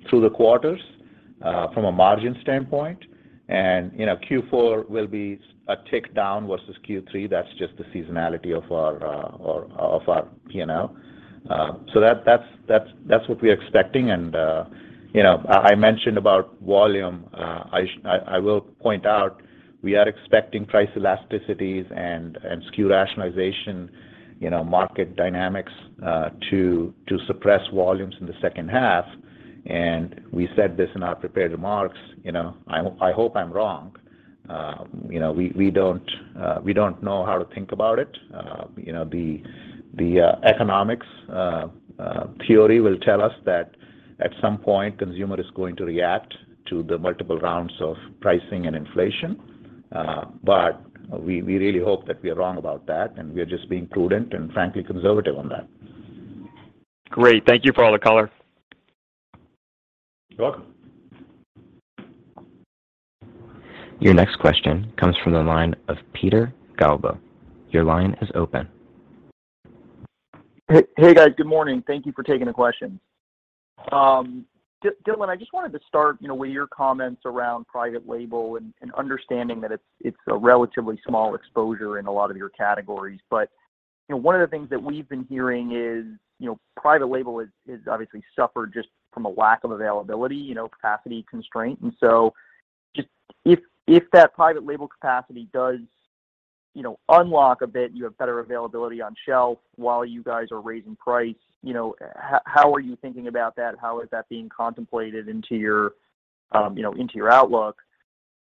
through the quarters from a margin standpoint. You know, Q4 will be a tick down versus Q3. That's just the seasonality of our P&L. So that's what we're expecting. You know, I mentioned about volume. I will point out we are expecting price elasticities and SKU rationalization, you know, market dynamics to suppress volumes in the second half. We said this in our prepared remarks, you know, I hope I'm wrong. You know, we don't know how to think about it. You know, the economics theory will tell us that at some point, consumer is going to react to the multiple rounds of pricing and inflation. But we really hope that we're wrong about that, and we are just being prudent and frankly conservative on that. Great. Thank you for all the color. You're welcome. Your next question comes from the line of Peter Galbo. Your line is open. Hey, hey guys, good morning. Thank you for taking the questions. Dylan, I just wanted to start, you know, with your comments around private label and understanding that it's a relatively small exposure in a lot of your categories. You know, one of the things that we've been hearing is, you know, private label has obviously suffered just from a lack of availability, you know, capacity constraint. Just if that private label capacity does, you know, unlock a bit, you have better availability on shelf while you guys are raising price, you know, how are you thinking about that? How is that being contemplated into your, you know, into your outlook?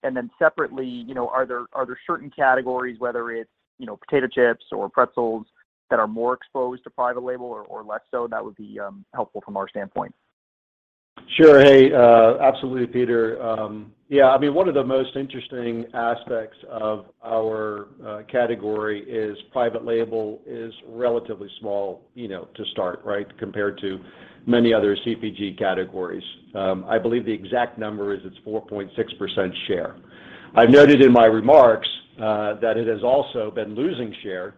And then separately, you know, are there certain categories, whether it's, you know, potato chips or pretzels that are more exposed to private label or less so? That would be helpful from our standpoint. Sure. Hey, absolutely Peter. Yeah, I mean, one of the most interesting aspects of our category is private label is relatively small, you know, to start, right, compared to many other CPG categories. I believe the exact number is it's 4.6% share. I've noted in my remarks, that it has also been losing share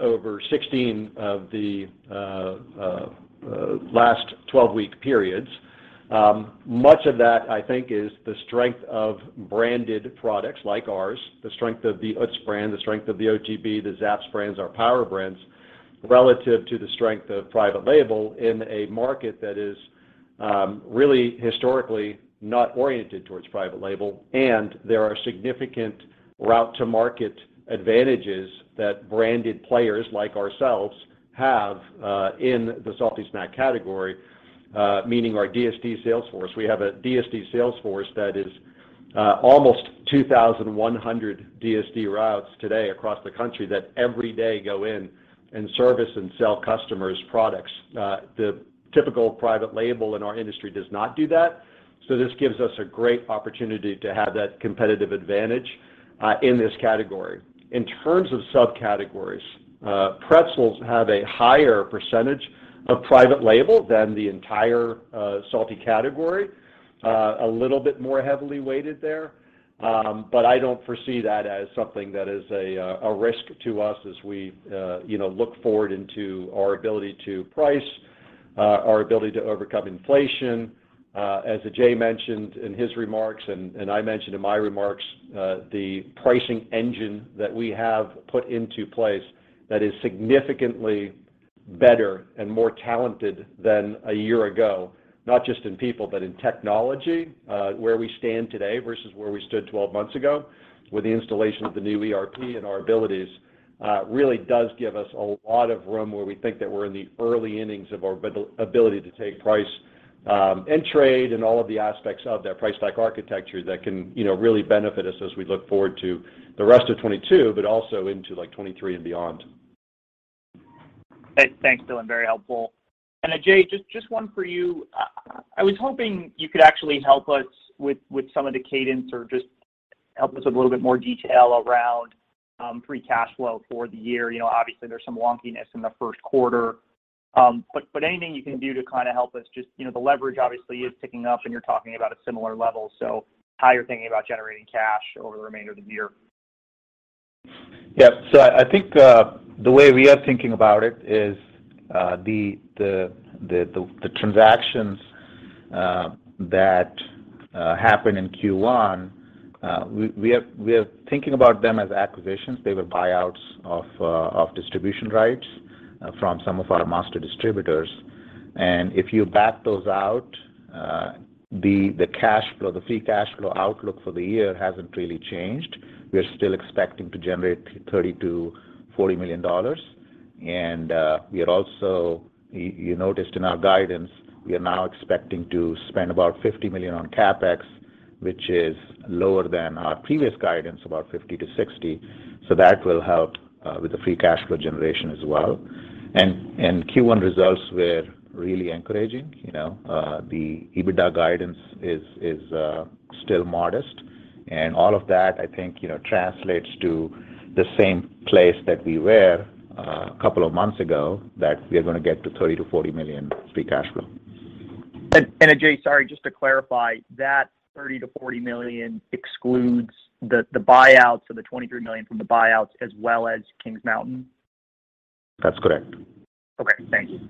over 16 of the last 12-week periods. Much of that, I think, is the strength of branded products like ours, the strength of the Utz brand, the strength of the OTB, the Zapp's brands, our Power Brands, relative to the strength of private label in a market that is really historically not oriented towards private label. There are significant route to market advantages that branded players like ourselves have in the salty snack category, meaning our DSD sales force. We have a DSD sales force that is almost 2,100 DSD routes today across the country that every day go in and service and sell customers products. The typical private label in our industry does not do that. This gives us a great opportunity to have that competitive advantage in this category. In terms of subcategories, pretzels have a higher percentage of private label than the entire salty category, a little bit more heavily weighted there. I don't foresee that as something that is a risk to us as we you know look forward into our ability to price our ability to overcome inflation. As Ajay mentioned in his remarks and I mentioned in my remarks, the pricing engine that we have put into place that is significantly better and more talented than a year ago, not just in people, but in technology, where we stand today versus where we stood 12 months ago with the installation of the new ERP and our abilities really does give us a lot of room where we think that we're in the early innings of our ability to take price, and trade and all of the aspects of that price pack architecture that can, you know, really benefit us as we look forward to the rest of 2022, but also into like 2023 and beyond. Thanks, Dylan. Very helpful. Ajay, just one for you. I was hoping you could actually help us with some of the cadence or just help us with a little bit more detail around free cash flow for the year. You know, obviously there's some wonkiness in the first quarter. But anything you can do to kinda help us just, you know, the leverage obviously is ticking up, and you're talking about a similar level. How you're thinking about generating cash over the remainder of the year? I think the way we are thinking about it is the transactions that happen in Q1. We're thinking about them as acquisitions. They were buyouts of distribution rights from some of our master distributors. If you back those out, the cash flow, the free cash flow outlook for the year hasn't really changed. We're still expecting to generate $30 million-$40 million. You noticed in our guidance, we are now expecting to spend about $50 million on CapEx, which is lower than our previous guidance, about $50 million-$60 million. That will help with the free cash flow generation as well. Q1 results were really encouraging. You know, the EBITDA guidance is still modest. All of that, I think, you know, translates to the same place that we were, a couple of months ago, that we're gonna get to $30 million-$40 million free cash flow. Ajay, sorry, just to clarify, that $30 million-$40 million excludes the buyouts, so the $23 million from the buyouts as well as Kings Mountain? That's correct. Okay, thank you.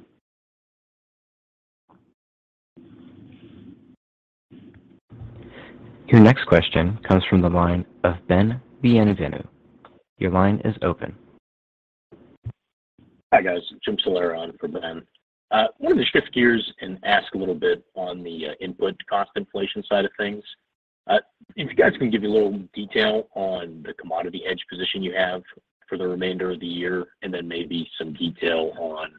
Your next question comes from the line of Ben Bienvenu. Your line is open. Hi, guys. Jim Salera on for Ben. Wanted to shift gears and ask a little bit on the input cost inflation side of things. If you guys can give me a little detail on the commodity hedge position you have for the remainder of the year, and then maybe some detail on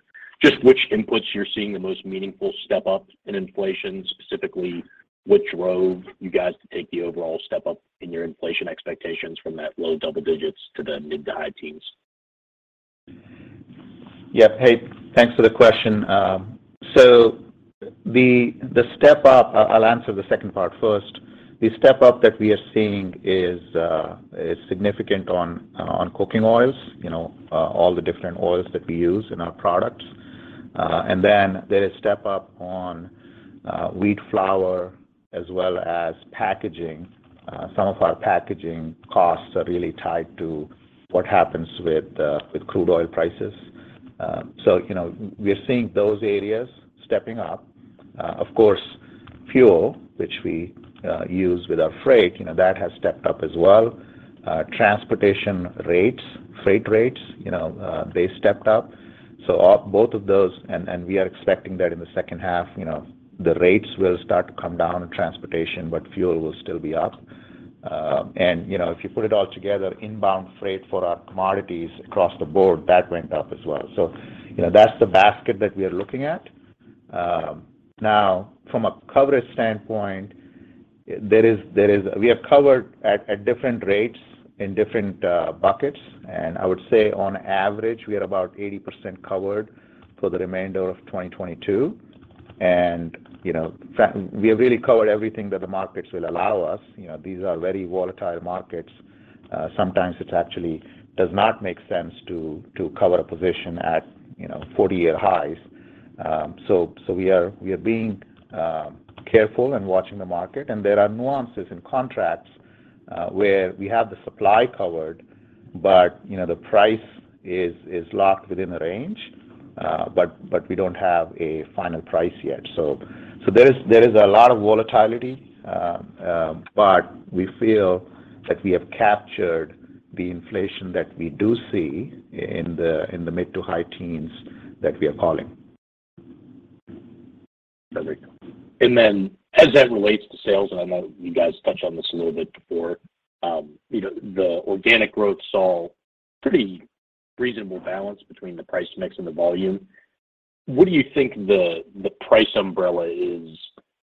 just which inputs you're seeing the most meaningful step-up in inflation, specifically which drove you guys to take the overall step-up in your inflation expectations from that low double digits to the mid to high teens. Yeah. Hey, thanks for the question. The step-up. I'll answer the second part first. The step-up that we are seeing is significant on cooking oils, you know, all the different oils that we use in our products. And then there is step-up on wheat flour as well as packaging. Some of our packaging costs are really tied to what happens with crude oil prices. You know, we're seeing those areas stepping up. Of course, fuel, which we use with our freight, you know, that has stepped up as well. Transportation rates, freight rates, you know, they stepped up. Both of those, and we are expecting that in the second half, you know, the rates will start to come down in transportation, but fuel will still be up. You know, if you put it all together, inbound freight for our commodities across the board, that went up as well. You know, that's the basket that we are looking at. From a coverage standpoint, we are covered at different rates in different buckets. I would say on average, we are about 80% covered for the remainder of 2022. You know, we have really covered everything that the markets will allow us. You know, these are very volatile markets. Sometimes it actually does not make sense to cover a position at, you know, 40-year highs. So we are being careful and watching the market, and there are nuances in contracts where we have the supply covered but, you know, the price is locked within a range but we don't have a final price yet. So there is a lot of volatility, but we feel that we have captured the inflation that we do see in the mid- to high teens that we are calling. As that relates to sales, and I know you guys touched on this a little bit before, you know, the organic growth saw pretty reasonable balance between the price mix and the volume. What do you think the price umbrella is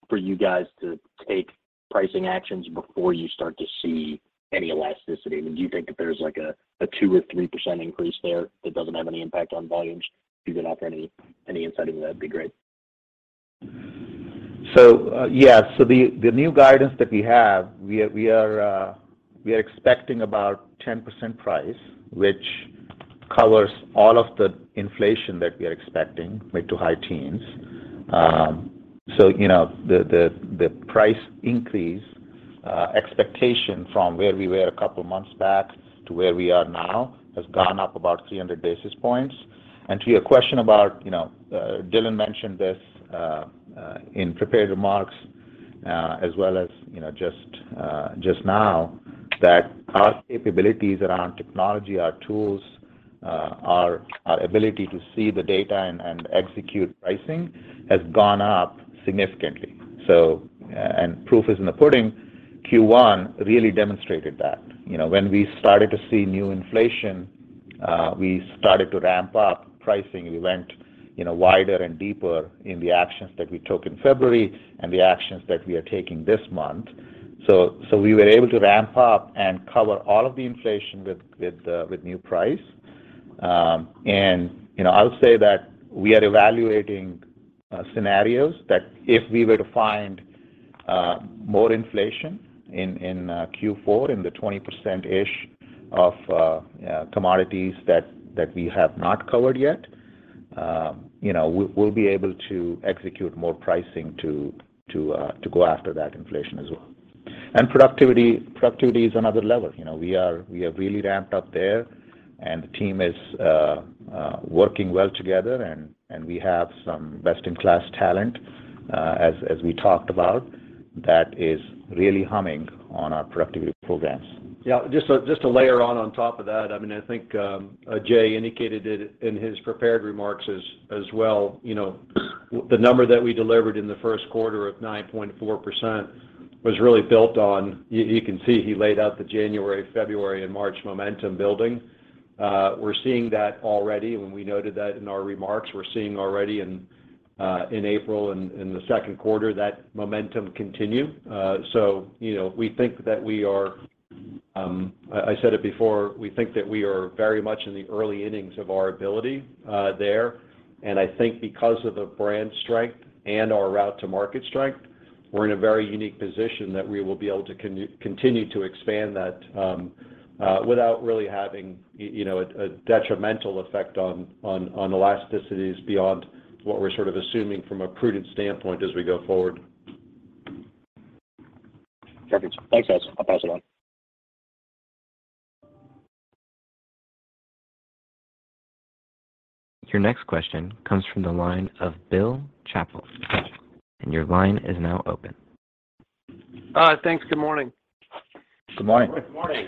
for you guys to take pricing actions before you start to see any elasticity? I mean, do you think if there's like a 2% or 3% increase there that doesn't have any impact on volumes? If you can offer any insight into that'd be great. The new guidance that we have, we are expecting about 10% price, which covers all of the inflation that we are expecting, mid- to high-teens%. You know, the price increase expectation from where we were a couple of months back to where we are now has gone up about 300 basis points. To your question about, you know, Dylan mentioned this in prepared remarks, as well as, you know, just now that our capabilities around technology, our tools, our ability to see the data and execute pricing has gone up significantly. Proof is in the pudding. Q1 really demonstrated that. You know, when we started to see new inflation, we started to ramp up pricing. We went, you know, wider and deeper in the actions that we took in February and the actions that we are taking this month. We were able to ramp up and cover all of the inflation with new price. You know, I'll say that we are evaluating scenarios that if we were to find more inflation in Q4 in the 20%-ish of commodities that we have not covered yet, you know, we'll be able to execute more pricing to go after that inflation as well. Productivity is another level. You know, we have really ramped up there and the team is working well together and we have some best-in-class talent, as we talked about, that is really humming on our productivity programs. Yeah. Just to layer on top of that, I mean, I think Jay indicated it in his prepared remarks as well. You know, the number that we delivered in the first quarter of 9.4% was really built on. You can see he laid out the January, February and March momentum building. We're seeing that already when we noted that in our remarks. We're seeing already in April and in the second quarter that momentum continue. You know, we think that we are. I said it before, we think that we are very much in the early innings of our ability there. I think because of the brand strength and our route to market strength, we're in a very unique position that we will be able to continue to expand that, without really having, you know, a detrimental effect on elasticities beyond what we're sort of assuming from a prudent standpoint as we go forward. Perfect. Thanks, guys. I'll pass it on. Your next question comes from the line of Bill Chappell. Your line is now open. Thanks. Good morning. Good morning. Good morning.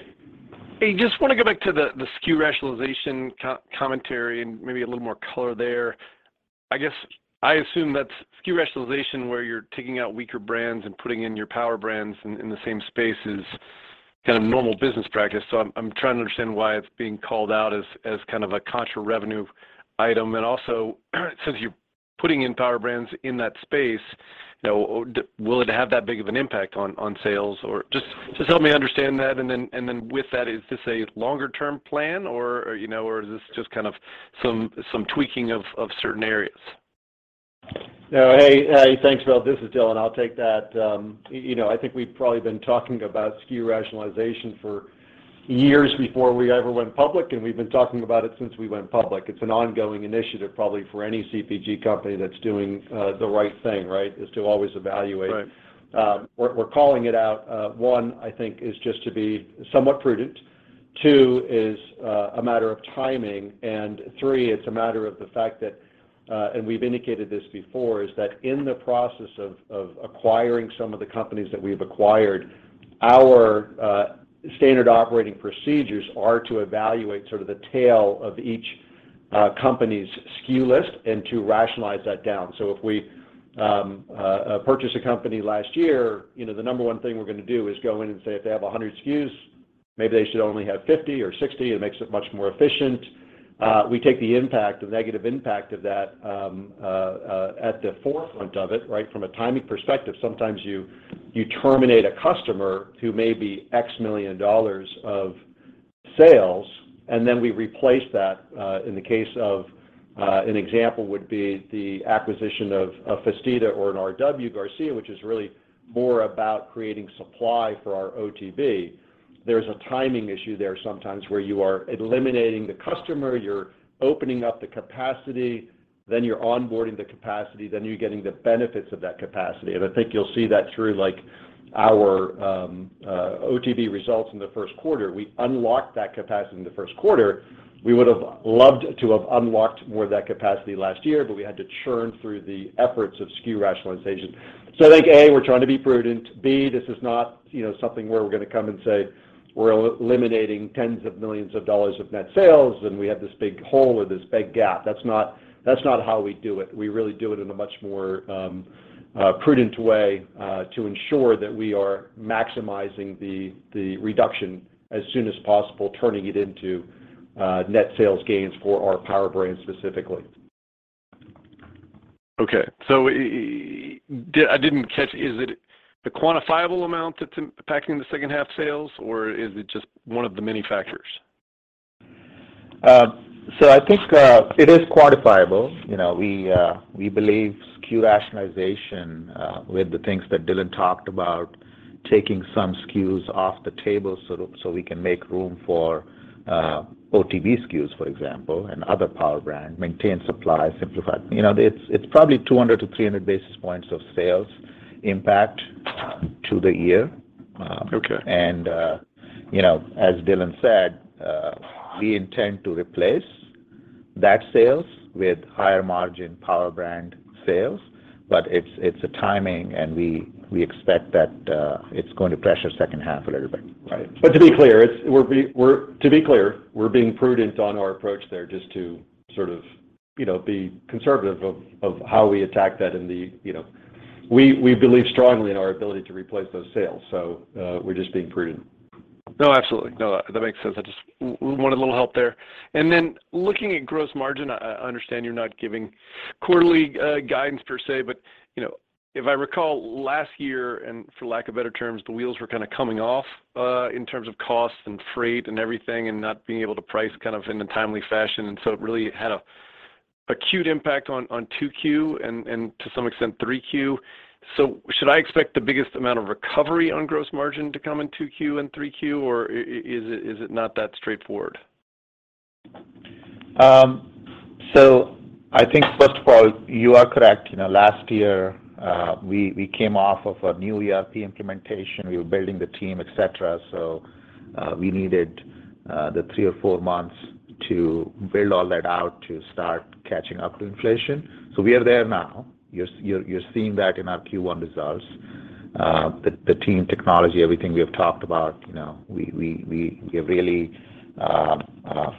Hey, just want to go back to the SKU rationalization commentary and maybe a little more color there. I guess I assume that's SKU rationalization where you're taking out weaker brands and putting in your Power Brands in the same space is kind of normal business practice. I'm trying to understand why it's being called out as kind of a contra revenue item. Also, since you're putting in Power Brands in that space, you know, will it have that big of an impact on sales or just help me understand that. Then with that, is this a longer term plan or, you know, or is this just kind of some tweaking of certain areas? No. Hey, hey. Thanks, Bill. This is Dylan. I'll take that. You know, I think we've probably been talking about SKU rationalization for years before we ever went public, and we've been talking about it since we went public. It's an ongoing initiative probably for any CPG company that's doing the right thing, right? Is to always evaluate. Right. We're calling it out, one, I think is just to be somewhat prudent. Two, is a matter of timing. Three, it's a matter of the fact that, and we've indicated this before, is that in the process of acquiring some of the companies that we've acquired, our standard operating procedures are to evaluate sort of the tail of each company's SKU list and to rationalize that down. If we purchase a company last year, you know, the number one thing we're gonna do is go in and say, if they have 100 SKUs, maybe they should only have 50 or 60. It makes it much more efficient. We take the impact, the negative impact of that, at the forefront of it, right? From a timing perspective, sometimes you terminate a customer who may be $X million of sales, and then we replace that, in the case of an example would be the acquisition of Festida or an R.W. Garcia, which is really more about creating supply for our OTB. There's a timing issue there sometimes where you are eliminating the customer, you're opening up the capacity, then you're onboarding the capacity, then you're getting the benefits of that capacity. I think you'll see that through, like, our OTB results in the first quarter. We unlocked that capacity in the first quarter. We would have loved to have unlocked more of that capacity last year, but we had to churn through the efforts of SKU rationalization. I think, A, we're trying to be prudent. This is not, you know, something where we're gonna come and say we're eliminating tens of millions of dollars of net sales, and we have this big hole or this big gap. That's not how we do it. We really do it in a much more prudent way to ensure that we are maximizing the reduction as soon as possible, turning it into net sales gains for our Power Brand specifically. I didn't catch. Is it the quantifiable amount that's impacting the second half sales or is it just one of the many factors? I think it is quantifiable. You know, we believe SKU rationalization with the things that Dylan talked about, taking some SKUs off the table so we can make room for OTB SKUs, for example, and other Power Brand, maintain supply, simplify. You know, it's probably 200-300 basis points of sales impact to the year. Okay. You know, as Dylan said, we intend to replace that sales with higher margin Power Brand sales, but it's a timing, and we expect that it's going to pressure second half a little bit. To be clear, we're being prudent on our approach there just to sort of, you know, be conservative of how we attack that in the, you know. We believe strongly in our ability to replace those sales, so we're just being prudent. No, absolutely. No, that makes sense. I just wanted a little help there. Then looking at gross margin, I understand you're not giving quarterly guidance per se, but you know, if I recall last year, for lack of better terms, the wheels were kinda coming off in terms of costs and freight and everything and not being able to price kind of in a timely fashion. It really had an acute impact on 2Q and to some extent 3Q. Should I expect the biggest amount of recovery on gross margin to come in 2Q and 3Q, or is it not that straightforward? I think, first of all, you are correct. You know, last year, we came off of a new ERP implementation. We were building the team, et cetera. We needed the three or four months to build all that out to start catching up to inflation. We are there now. You're seeing that in our Q1 results. The team technology, everything we have talked about, you know, we have really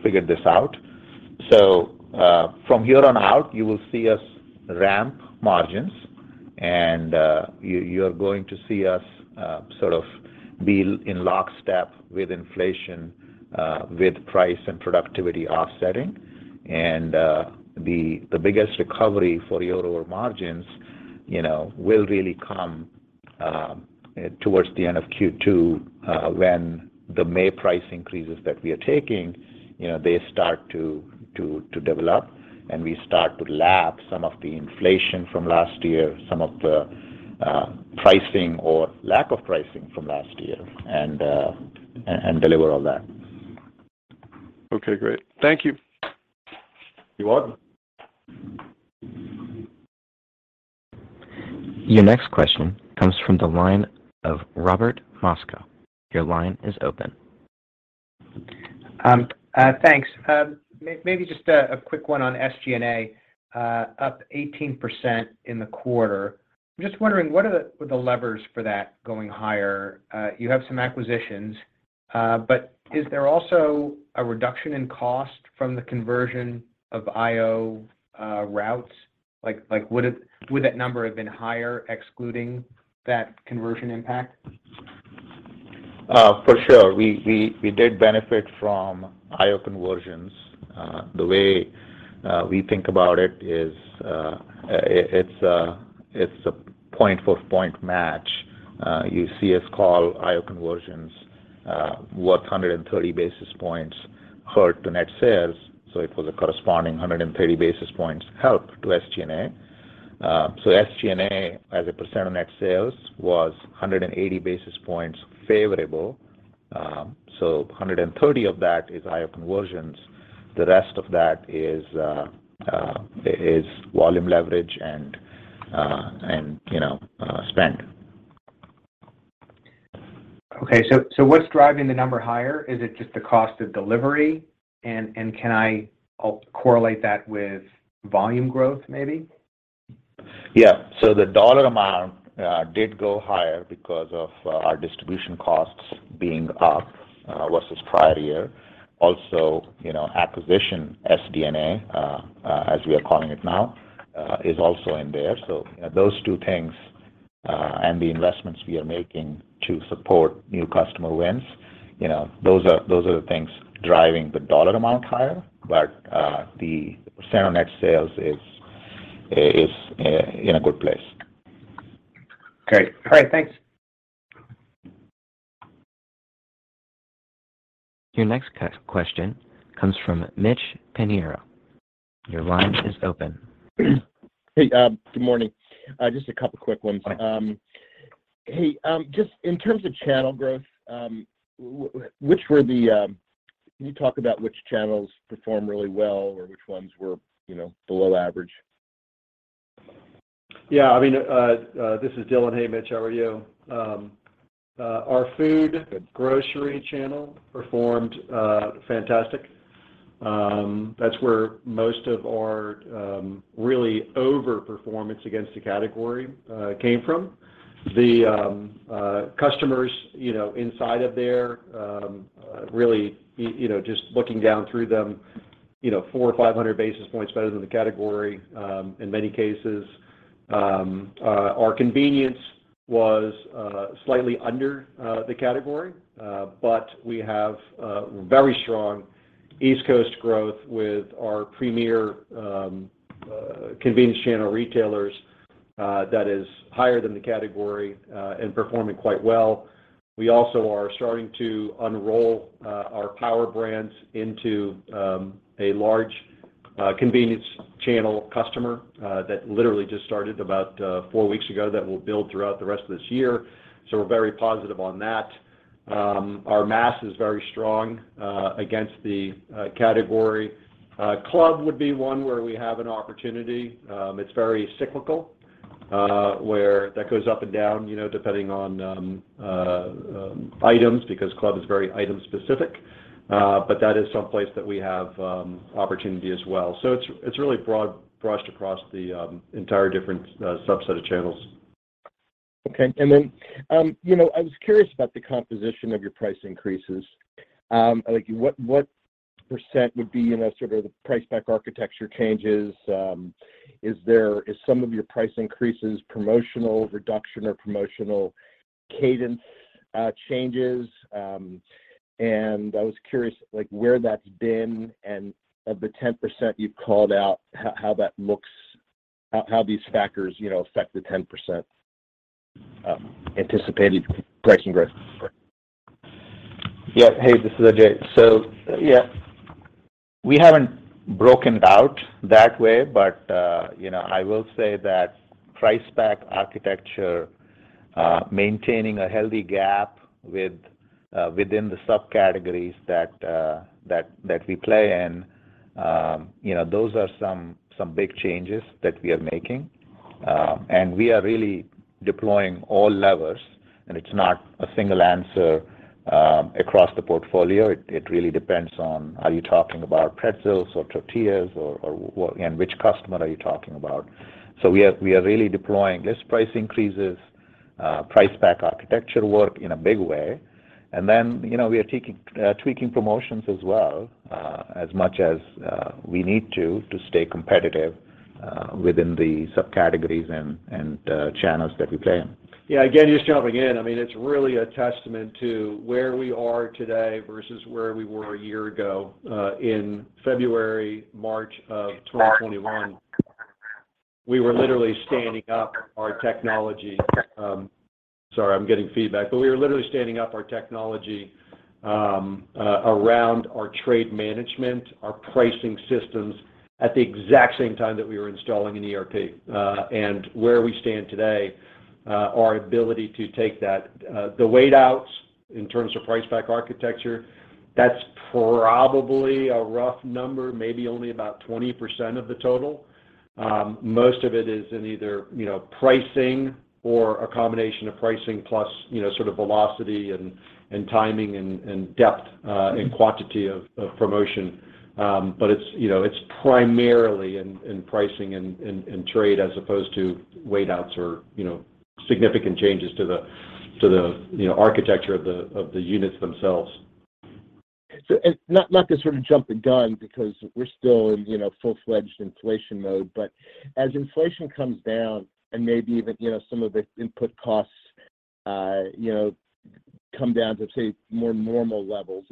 figured this out. From here on out, you will see us ramp margins and you are going to see us sort of be in lockstep with inflation, with price and productivity offsetting. The biggest recovery for year-over-year margins, you know, will really come towards the end of Q2, when the May price increases that we are taking, you know, they start to develop and we start to lap some of the inflation from last year, some of the pricing or lack of pricing from last year and deliver all that. Okay, great. Thank you. You're welcome. Your next question comes from the line of Robert Moskow. Your line is open. Thanks. Maybe just a quick one on SG&A, up 18% in the quarter. I'm just wondering, what are the levers for that going higher? You have some acquisitions, but is there also a reduction in cost from the conversion of IO routes? Like, would that number have been higher excluding that conversion impact? For sure. We did benefit from IO conversions. The way we think about it is, it's a point for point match. You see us call IO conversions worth 130 basis points hurt to net sales, so it was a corresponding 130 basis points help to SD&A. SD&A as a percent of net sales was 180 basis points favorable. 130 of that is IO conversions. The rest of that is volume leverage and, you know, spend. Okay. What's driving the number higher? Is it just the cost of delivery? Can I correlate that with volume growth maybe? Yeah. The dollar amount did go higher because of our distribution costs being up versus prior year. Also, you know, acquisition SD&A as we are calling it now is also in there. You know, those two things and the investments we are making to support new customer wins, you know, those are the things driving the dollar amount higher. The percent of net sales is in a good place. Great. All right. Thanks. Your next question comes from Mitch Pinheiro. Your line is open. Hey, good morning. Just a couple quick ones. Hi. Hey, just in terms of channel growth, can you talk about which channels performed really well or which ones were, you know, below average? Yeah, I mean, this is Dylan. Hey, Mitch, how are you? Our food- Good Grocery channel performed fantastic. That's where most of our really over-performance against the category came from. The customers, you know, inside of there really you know, just looking down through them, you know, 400-500 basis points better than the category in many cases. Our convenience was slightly under the category, but we have a very strong East Coast growth with our premier convenience channel retailers that is higher than the category and performing quite well. We also are starting to unroll our Power brands into a large convenience channel customer that literally just started about 4 weeks ago that will build throughout the rest of this year. We're very positive on that. Our mass is very strong against the category. Club would be one where we have an opportunity. It's very cyclical where that goes up and down, you know, depending on items because club is very item-specific. That is someplace that we have opportunity as well. It's really broad brushed across the entire different subset of channels. Okay. You know, I was curious about the composition of your price increases. Like what percent would be in a sort of the price pack architecture changes, is there some of your price increases promotional reduction or promotional cadence changes? I was curious like where that's been and of the 10% you've called out, how that looks, how these factors, you know, affect the 10%, anticipated pricing growth. Yeah. Hey, this is Ajay. Yeah, we haven't broken it out that way, but you know, I will say that price pack architecture maintaining a healthy gap within the subcategories that we play in, you know, those are some big changes that we are making. We are really deploying all levers, and it's not a single answer across the portfolio. It really depends on, are you talking about pretzels or tortillas or what and which customer are you talking about. We are really deploying list price increases, price pack architecture work in a big way. Then, you know, we are tweaking promotions as well, as much as we need to stay competitive within the subcategories and channels that we play in. Yeah. Again, just jumping in. I mean, it's really a testament to where we are today versus where we were a year ago in February, March of 2021. Sorry, I'm getting feedback. We were literally standing up our technology around our trade management, our pricing systems at the exact same time that we were installing an ERP. Where we stand today, our ability to take that. The weight outs in terms of price pack architecture, that's probably a rough number, maybe only about 20% of the total. Most of it is in either, you know, pricing or a combination of pricing plus, you know, sort of velocity and timing and depth and quantity of promotion. It's, you know, it's primarily in pricing and trade as opposed to weight outs or, you know, significant changes to the architecture of the units themselves. Not to sort of jump the gun because we're still in, you know, full-fledged inflation mode. But as inflation comes down and maybe even, you know, some of the input costs, you know, come down to, say, more normal levels,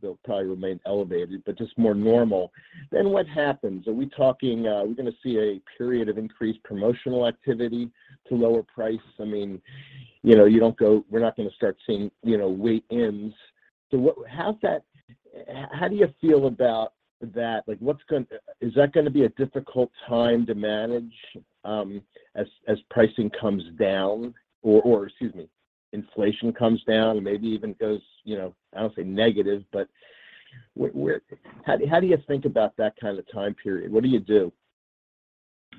they'll probably remain elevated, but just more normal. Then what happens? Are we talking, are we gonna see a period of increased promotional activity to lower price? I mean, you know, we're not gonna start seeing, you know, weight ins. How do you feel about that? Like, is that gonna be a difficult time to manage, as pricing comes down or, excuse me, inflation comes down and maybe even goes, you know, I don't want to say negative, but how do you think about that kind of time period? What do you do?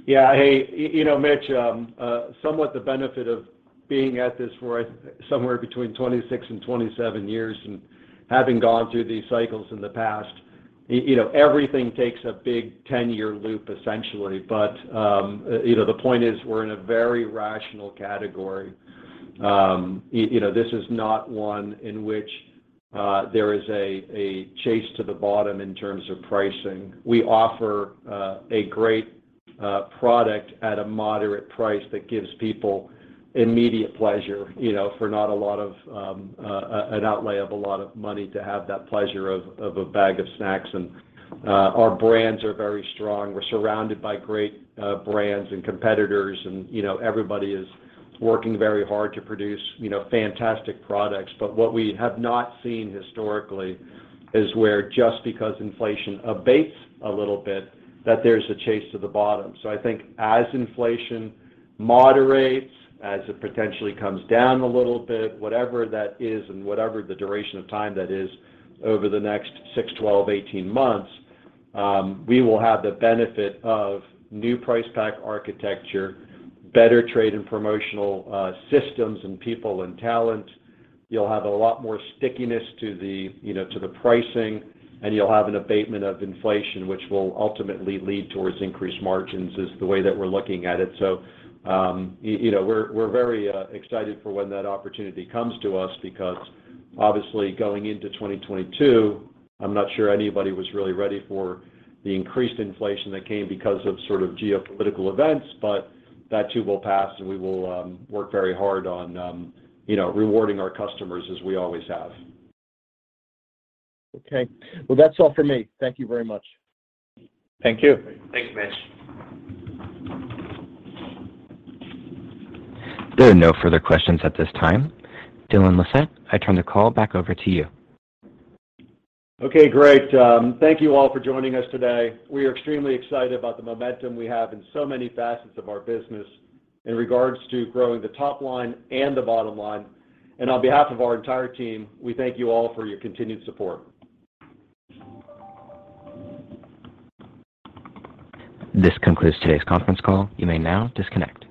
Yeah. Hey, you know, Mitch, somewhat the benefit of being at this for somewhere between 26 and 27 years and having gone through these cycles in the past, you know, everything takes a big 10-year loop, essentially. You know, the point is we're in a very rational category. You know, this is not one in which there is a chase to the bottom in terms of pricing. We offer a great product at a moderate price that gives people immediate pleasure, you know, for not a lot of an outlay of a lot of money to have that pleasure of a bag of snacks. Our brands are very strong. We're surrounded by great brands and competitors and, you know, everybody is working very hard to produce, you know, fantastic products. What we have not seen historically is where just because inflation abates a little bit, that there's a chase to the bottom. I think as inflation moderates, as it potentially comes down a little bit, whatever that is and whatever the duration of time that is over the next six, 12, 18 months, we will have the benefit of new price pack architecture, better trade and promotional systems and people and talent. You'll have a lot more stickiness to the, you know, to the pricing, and you'll have an abatement of inflation, which will ultimately lead towards increased margins is the way that we're looking at it. You know, we're very excited for when that opportunity comes to us because obviously going into 2022, I'm not sure anybody was really ready for the increased inflation that came because of sort of geopolitical events, but that too will pass, and we will work very hard on you know, rewarding our customers as we always have. Okay. Well, that's all for me. Thank you very much. Thank you. Thank you, Mitch. There are no further questions at this time. Dylan Lissette, I turn the call back over to you. Okay, great. Thank you all for joining us today. We are extremely excited about the momentum we have in so many facets of our business in regards to growing the top line and the bottom line. On behalf of our entire team, we thank you all for your continued support. This concludes today's conference call. You may now disconnect.